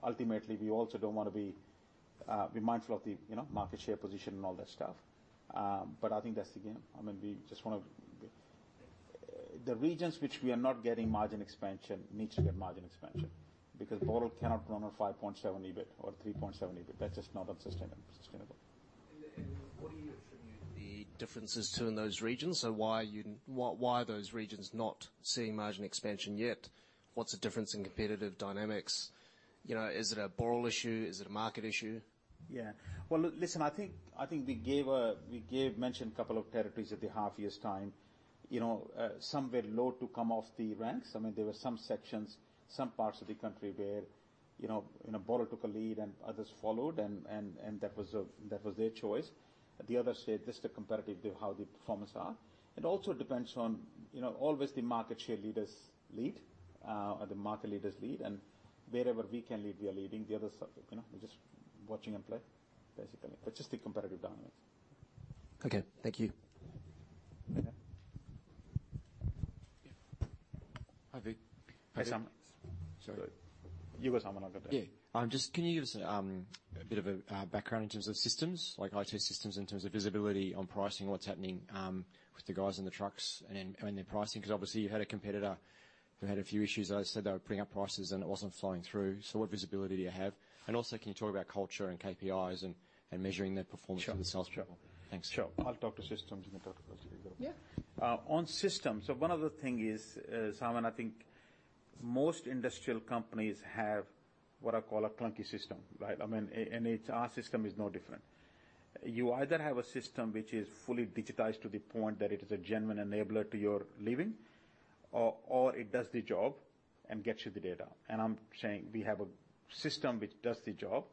Ultimately, we also don't want to be mindful of the, you know, market share position and all that stuff. I think that's the game. I mean, we just want to... The regions which we are not getting margin expansion, needs to get margin expansion, because Boral cannot run a 5.7 EBIT or 3.7 EBIT. That's just not unsustainable, sustainable. What are you attributing the differences to in those regions? Why are those regions not seeing margin expansion yet? What's the difference in competitive dynamics? You know, is it a Boral issue? Is it a market issue? Well, look, listen, I think we mentioned a couple of territories at the half year's time. You know, some were low to come off the ranks. I mean, there were some sections, some parts of the country where, you know, Boral took a lead and others followed, and that was their choice. The other state, just the competitive to how the performance are. It also depends on, you know, always the market share leaders lead, or the market leaders lead, and wherever we can lead, we are leading. The other stuff, you know, we're just watching them play, basically. Just the competitive dynamics. Okay. Thank you. Okay. Hi, Vik. Hi, Sam. Sorry. You go, Simon, I've got that. Yeah. Just, can you give us a bit of a background in terms of systems, like IT systems, in terms of visibility on pricing, what's happening with the guys in the trucks and their pricing? Obviously, you had a competitor who had a few issues. They said they were putting up prices, and it wasn't flowing through. What visibility do you have? Also, can you talk about culture and KPIs and measuring their performance? Sure. for the sales travel? Thanks. Sure. I'll talk to systems, and you talk to those people. Yeah. On systems, one of the thing is, Simon, I think most industrial companies have what I call a clunky system, right? I mean, and it's, our system is no different. You either have a system which is fully digitized to the point that it is a genuine enabler to your living, or it does the job and gets you the data. I'm saying we have a system which does the job.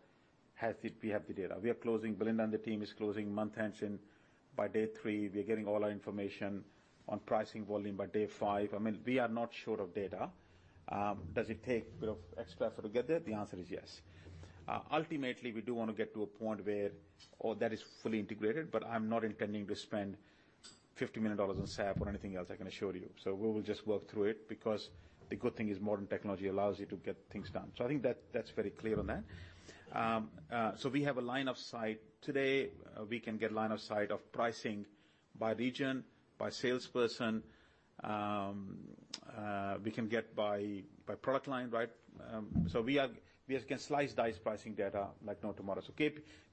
We have the data. We are closing, Belinda and the team is closing month-end end by day three. We are getting all our information on pricing, volume by day five. I mean, we are not sure of data. Does it take a bit of extra effort to get there? The answer is yes. Ultimately, we do want to get to a point where all that is fully integrated, but I'm not intending to spend 50 million dollars on SAP or anything else, I can assure you. We will just work through it, because the good thing is modern technology allows you to get things done. I think that's very clear on that. We have a line of sight. Today, we can get line of sight of pricing by region, by salesperson. We can get by product line, right? We can slice, dice pricing data like no tomorrow.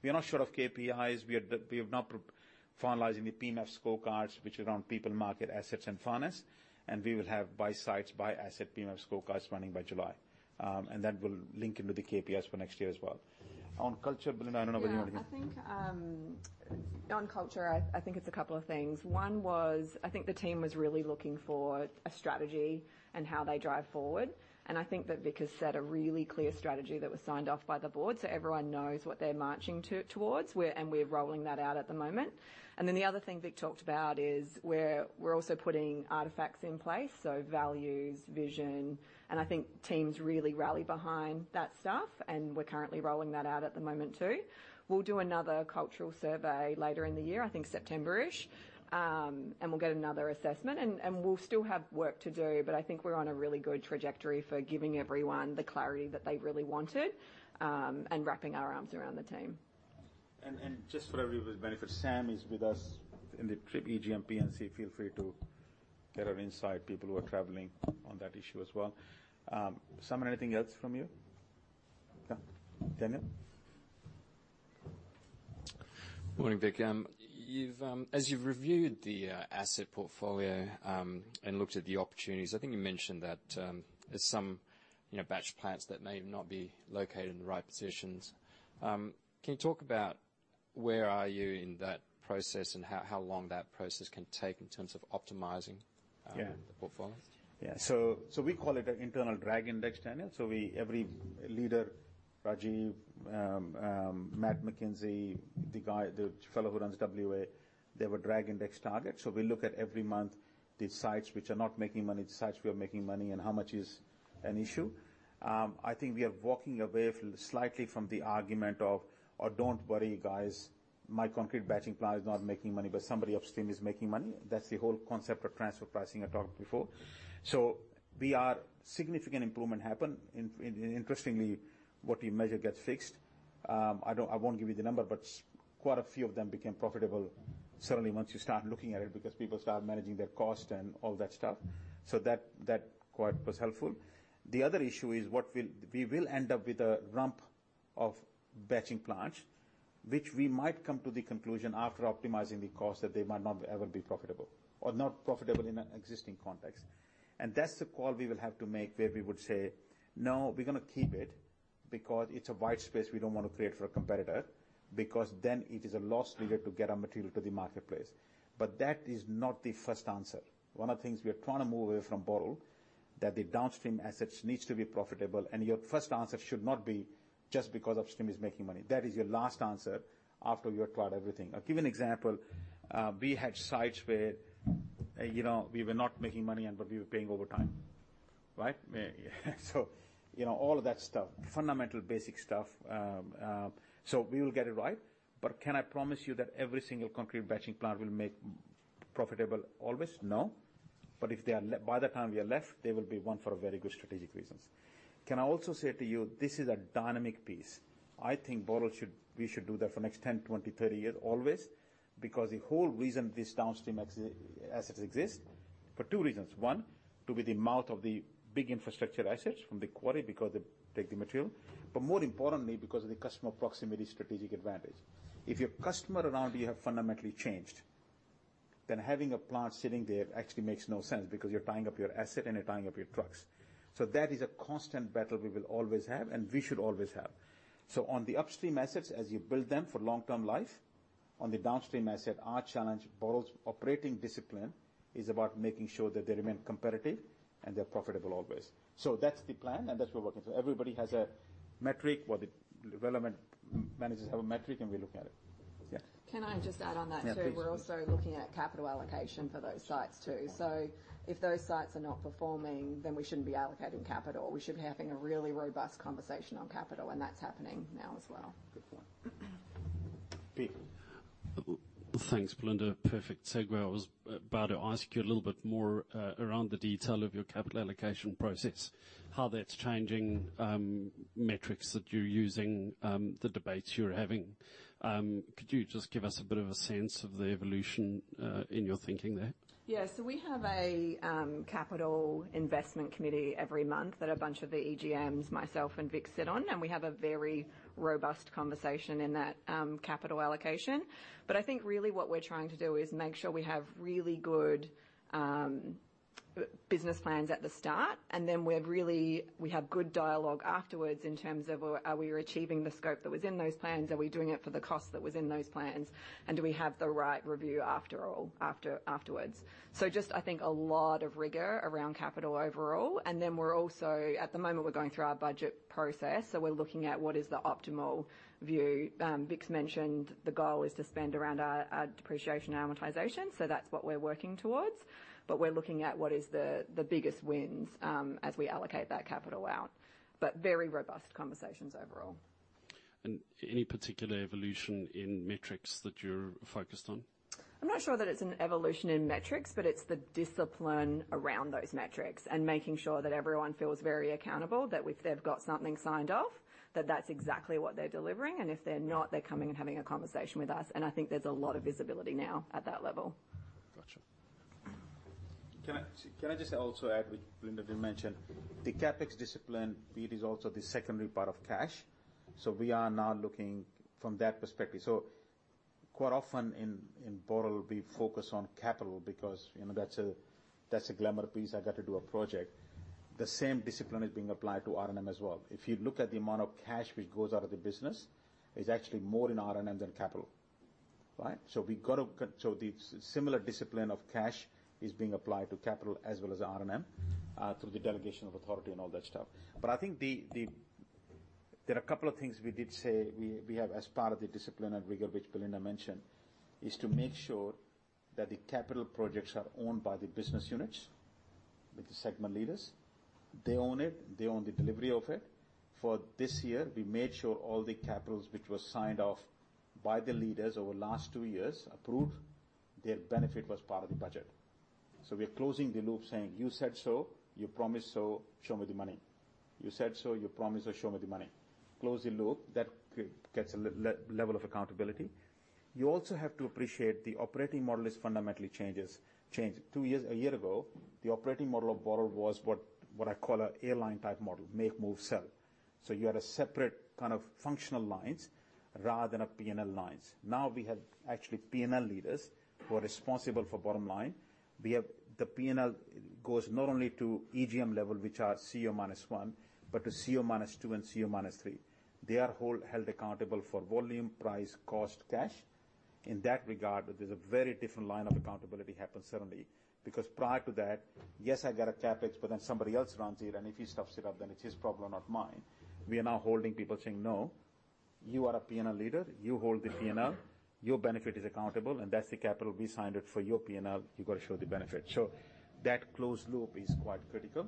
We are not sure of KPIs. We have not finalizing the PMF scorecards, which are on people, market, assets, and finance, and we will have by sites, by asset PMF scorecards running by July. That will link into the KPIs for next year as well. On culture, Belinda, I don't know whether you want. Yeah, I think, on culture, I think it's a couple of things. One was, I think the team was really looking for a strategy and how they drive forward, and I think that Vik has set a really clear strategy that was signed off by the board, so everyone knows what they're marching towards. We're rolling that out at the moment. The other thing Vik talked about is where we're also putting artifacts in place, so values, vision, and I think teams really rally behind that stuff, and we're currently rolling that out at the moment, too. We'll do another cultural survey later in the year, I think September-ish. We'll get another assessment, and we'll still have work to do, but I think we're on a really good trajectory for giving everyone the clarity that they really wanted, and wrapping our arms around the team. Just for everybody's benefit, Sam is with us in the trip, EGM, P&C, feel free to get our insight, people who are traveling on that issue as well. Simon, anything else from you? No? Daniel? Morning, Vik. You've, as you've reviewed the asset portfolio, and looked at the opportunities, I think you mentioned that, there's some, you know, batch plants that may not be located in the right positions. Can you talk about where are you in that process and how long that process can take in terms of optimizing-? Yeah... the portfolio? We call it an internal drag index, Daniel. Every leader, Rajiv, Matt McKenzie, the guy, the fellow who runs WA, they were drag index target. We look at every month, the sites which are not making money, the sites we are making money, and how much is an issue. I think we are walking away from, slightly from the argument of, "Oh, don't worry, guys, my concrete batching plant is not making money, but somebody upstream is making money." That's the whole concept of transfer pricing I talked before. We are, significant improvement happened. Interestingly, what we measure gets fixed. I won't give you the number, but quite a few of them became profitable suddenly once you start looking at it, because people start managing their cost and all that stuff. That quite was helpful. The other issue is what we will end up with a rump of batching plants, which we might come to the conclusion after optimizing the cost, that they might not ever be profitable or not profitable in an existing context. That's the call we will have to make, where we would say, "No, we're going to keep it because it's a wide space we don't want to create for a competitor, because then it is a loss leader to get our material to the marketplace." That is not the first answer. One of the things we are trying to move away from Boral, that the downstream assets needs to be profitable, and your first answer should not be just because upstream is making money. That is your last answer after you have tried everything. I'll give you an example. We had sites where, you know, we were not making money and but we were paying overtime, right? You know, all of that stuff, fundamental, basic stuff. So we will get it right. Can I promise you that every single concrete batching plant will make profitable always? No. If they are by the time we are left, they will be one for a very good strategic reasons. Can I also say to you, this is a dynamic piece. I think Boral should we should do that for next 10, 20, 30 years always, because the whole reason this downstream asset, assets exist, for two reasons: one, to be the mouth of the big infrastructure assets from the quarry, because they take the material, but more importantly, because of the customer proximity, strategic advantage. If your customer around you have fundamentally changed, then having a plant sitting there actually makes no sense because you're tying up your asset and you're tying up your trucks. That is a constant battle we will always have, and we should always have. On the upstream assets, as you build them for long-term life, on the downstream asset, our challenge, Boral's operating discipline, is about making sure that they remain competitive and they're profitable always. That's the plan, and that's we're working for. Everybody has a metric, or the relevant managers have a metric, and we look at it. Yes. Can I just add on that, too? Yeah, please. We're also looking at capital allocation for those sites, too. If those sites are not performing, then we shouldn't be allocating capital. We should be having a really robust conversation on capital, and that's happening now as well. Good point. Thanks, Belinda. Perfect segue. I was about to ask you a little bit more, around the detail of your capital allocation process, how that's changing, metrics that you're using, the debates you're having. Could you just give us a bit of a sense of the evolution in your thinking there? Yes. We have a capital investment committee every month that a bunch of the EGMs, myself and Vik, sit on, and we have a very robust conversation in that capital allocation. I think really what we're trying to do is make sure we have really good business plans at the start, and then we have good dialogue afterwards in terms of, are we achieving the scope that was in those plans? Are we doing it for the cost that was in those plans? Do we have the right review after all, afterwards? Just, I think, a lot of rigor around capital overall. At the moment, we're going through our budget process, so we're looking at what is the optimal view. Vik's mentioned the goal is to spend around our depreciation and amortization, so that's what we're working towards. We're looking at what is the biggest wins as we allocate that capital out. Very robust conversations overall. Any particular evolution in metrics that you're focused on? I'm not sure that it's an evolution in metrics, but it's the discipline around those metrics and making sure that everyone feels very accountable, that if they've got something signed off, that that's exactly what they're delivering, and if they're not, they're coming and having a conversation with us. I think there's a lot of visibility now at that level. Gotcha. Can I just also add what Belinda did mention? The CapEx discipline, it is also the secondary part of cash, so we are now looking from that perspective. Quite often in Boral, we focus on capital because, you know, that's a glamour piece. I got to do a project. The same discipline is being applied to RMM as well. If you look at the amount of cash which goes out of the business, it's actually more in RMM than capital, right? We got to So the similar discipline of cash is being applied to capital as well as RMM through the delegation of authority and all that stuff. I think the... There are a couple of things we did say we have as part of the discipline and rigor, which Belinda mentioned, is to make sure that the capital projects are owned by the business units, with the segment leaders. They own it, they own the delivery of it. For this year, we made sure all the capitals which were signed off by the leaders over last two years, approved, their benefit was part of the budget. We are closing the loop saying: You said so, you promised so, show me the money. You said so, you promised so, show me the money. Close the loop, that gets a level of accountability. You also have to appreciate the operating model is fundamentally changes, changed. five years, a year ago, the operating model of Boral was what I call an airline type model, make, move, sell. You had a separate kind of functional lines rather than a P&L lines. Now, we have actually P&L leaders who are responsible for bottom line. The P&L goes not only to EGM level, which are CEO minus one, but to CEO minus two and CEO minus three. They are held accountable for volume, price, cost, cash. In that regard, there's a very different line of accountability happens suddenly, because prior to that, yes, I got a CapEx, but then somebody else runs it, and if he stuffs it up, then it's his problem, not mine. We are now holding people, saying: No, you are a P&L leader. You hold the P&L. Your benefit is accountable, and that's the capital. We signed it for your P&L. You've got to show the benefit. That closed loop is quite critical.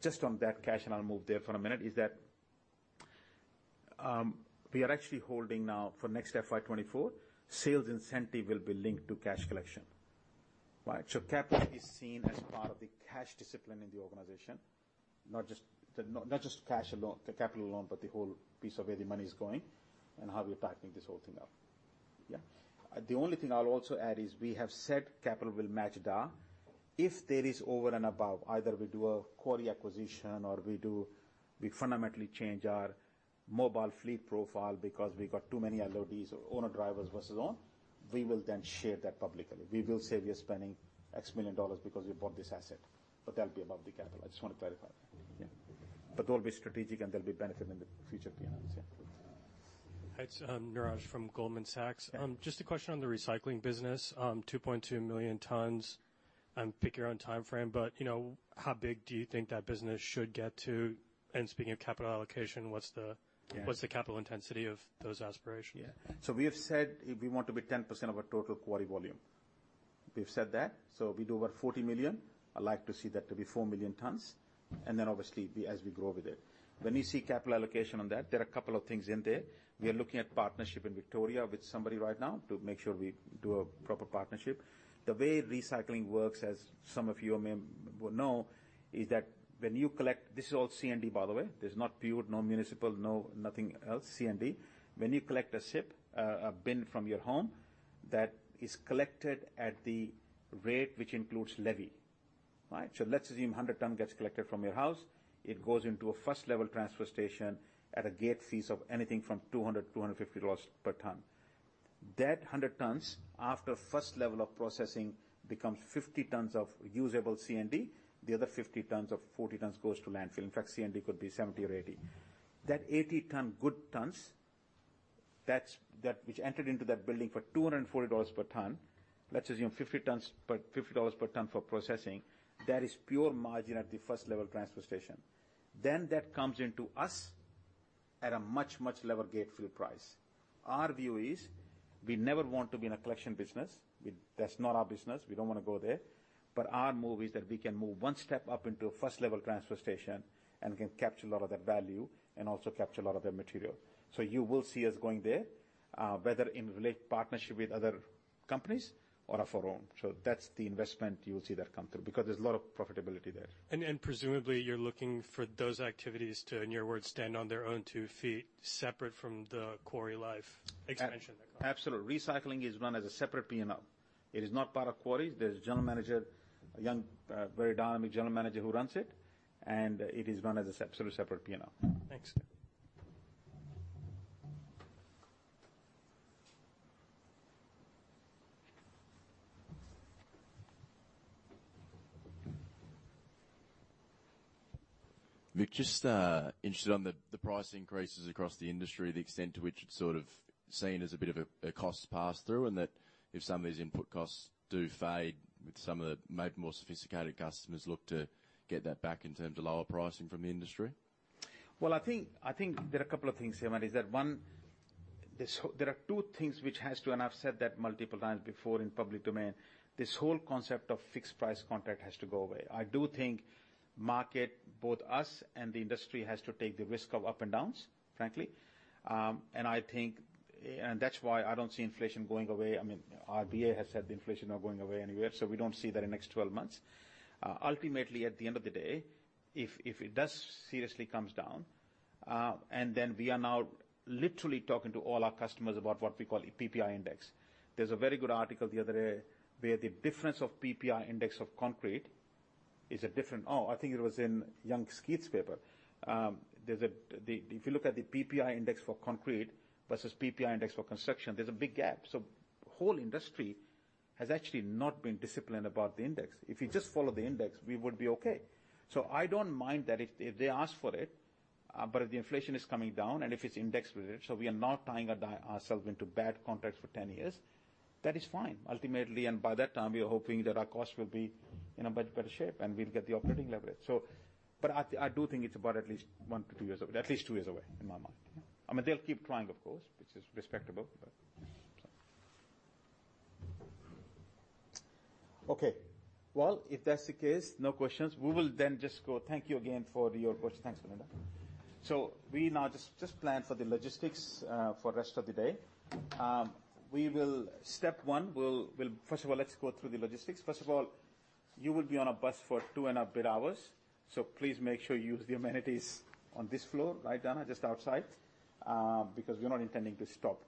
Just on that cash, and I'll move there for a minute, is that, we are actually holding now for next FY24, sales incentive will be linked to cash collection, right? CapEx is seen as part of the cash discipline in the organization, not just the cash alone, the capital alone, but the whole piece of where the money is going and how we're backing this whole thing up. Yeah. The only thing I'll also add is, we have said capital will match DA. If there is over and above, either we do a quarry acquisition or we fundamentally change our mobile fleet profile because we've got too many LODs or owner-drivers versus own, we will then share that publicly. We will say we are spending AUD X million because we bought this asset, but that'll be above the capital. I just want to clarify. Yeah. They'll be strategic, and there'll be benefit in the future P&Ls, yeah. Hi, it's Neeraj from Goldman Sachs. Yeah. Just a question on the recycling business. 2.2 million tons, pick your own timeframe, but, you know, how big do you think that business should get to? Speaking of capital allocation, what's? Yeah. What's the capital intensity of those aspirations? Yeah. We have said we want to be 10% of our total quarry volume. We've said that, so we do about 40 million. I'd like to see that to be four million tons, and then, obviously, as we grow with it. When we see capital allocation on that, there are a couple of things in there. We are looking at partnership in Victoria with somebody right now to make sure we do a proper partnership. The way recycling works, as some of you may well know, is that when you collect... This is all C&D, by the way. There's not pure, no municipal, no nothing else, C&D. When you collect a bin from your home, that is collected at the rate which includes levy, right? Let's assume 100 tons gets collected from your house. It goes into a first-level transfer station at a gate fees of anything from 200, 250 dollars per ton. That 100 tons, after first level of processing, becomes 50 tons of usable C&D. The other 50 tons or 40 tons goes to landfill. In fact, C&D could be 70 or 80. That 80 ton, good tons, that's which entered into that building for 240 dollars per ton, let's assume 50 tons, 50 dollars per ton for processing, that is pure margin at the first level transfer station. That comes into us at a much, much lower gate fee price. Our view is, we never want to be in a collection business. That's not our business. We don't want to go there. Our move is that we can move one step up into a first-level transfer station and can capture a lot of that value and also capture a lot of their material. You will see us going there, whether in relate partnership with other companies or of our own. That's the investment you will see that come through, because there's a lot of profitability there. Presumably, you're looking for those activities to, in your words, stand on their own two feet, separate from the quarry life expansion? Absolute. Recycling is run as a separate P&L. It is not part of quarries. There's a general manager, a young, very dynamic general manager who runs it, and it is run as a sort of separate P&L. Thanks. Yeah. Vic, just interested on the price increases across the industry, the extent to which it's sort of seen as a bit of a cost pass-through, and that if some of these input costs do fade, with some of the maybe more sophisticated customers look to get that back in terms of lower pricing from the industry? I think there are a couple of things here, Matt. Is that, one, there are two things which has to, and I've said that multiple times before in public domain, this whole concept of fixed price contract has to go away. I do think market, both us and the industry, has to take the risk of up and downs, frankly. I think, and that's why I don't see inflation going away. I mean, RBA has said the inflation not going away anywhere, so we don't see that in the next 12 months. Ultimately, at the end of the day, if it does seriously comes down, we are now literally talking to all our customers about what we call a PPI index. There's a very good article the other day, where the difference of PPI index of concrete is a different. Oh, I think it was in Young Skeet's paper. If you look at the PPI index for concrete versus PPI index for construction, there's a big gap. Whole industry has actually not been disciplined about the index. If you just follow the index, we would be okay. I don't mind that if they ask for it, but if the inflation is coming down and if it's index with it, so we are not tying ourselves into bad contracts for 10 years, that is fine. Ultimately, and by that time, we are hoping that our costs will be in a much better shape, and we'll get the operating leverage. I do think it's about at least one to two years away, at least two years away, in my mind. I mean, they'll keep trying, of course, which is respectable. Okay, well, if that's the case, no questions, we will just go. Thank you again for your questions. Thanks, Melinda. We now just plan for the logistics for rest of the day. We will, step one, we'll First of all, let's go through the logistics. First of all, you will be on a bus for two and a half hours, so please make sure you use the amenities on this floor, right, Dana? Just outside. Because we are not intending to stop,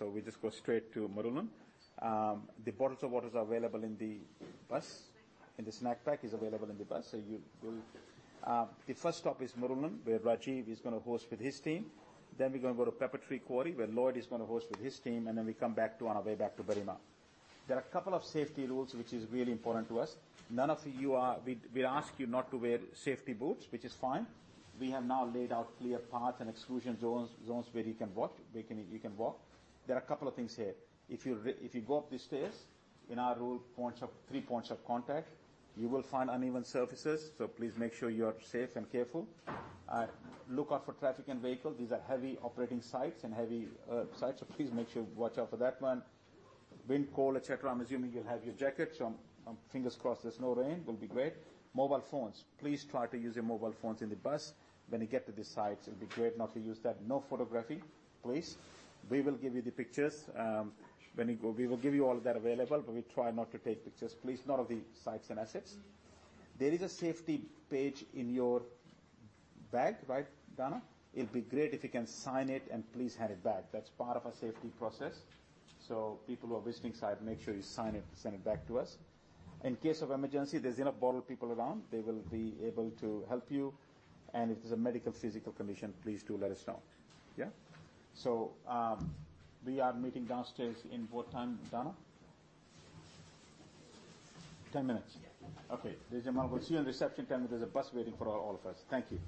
we just go straight to Murwillumbah. The bottles of waters are available in the bus. Snack pack. The snack pack is available in the bus, so you'll. The first stop is Murwillumbah, where Rajiv is gonna host with his team. We're gonna go to Peppertree Quarry, where Lloyd is gonna host with his team. We come back to on our way back to Berrima. There are a couple of safety rules, which is really important to us. None of you are. We ask you not to wear safety boots, which is fine. We have now laid out clear paths and exclusion zones where you can walk, where you can walk. There are a couple of things here. If you go up the stairs, in our rule, points of, three points of contact, you will find uneven surfaces, so please make sure you are safe and careful. Look out for traffic and vehicles. These are heavy operating sites and heavy sites, so please make sure you watch out for that one. Wind, cold, et cetera. I'm assuming you'll have your jackets, fingers crossed there's no rain, will be great. Mobile phones. Please try to use your mobile phones in the bus. When you get to the sites, it'll be great not to use that. No photography, please. We will give you the pictures. We will give you all that available, but we try not to take pictures. Please, not of the sites and assets. There is a safety page in your bag, right, Dana? It'd be great if you can sign it and please hand it back. That's part of our safety process. People who are visiting site, make sure you sign it and send it back to us. In case of emergency, there's enough bottle people around. They will be able to help you. If there's a medical physical condition, please do let us know. Yeah? We are meeting downstairs in what time, Dana? 10 minutes. Yeah. Okay. We'll see yoone in the reception counter. There's a bus waiting for all of us. Thank you.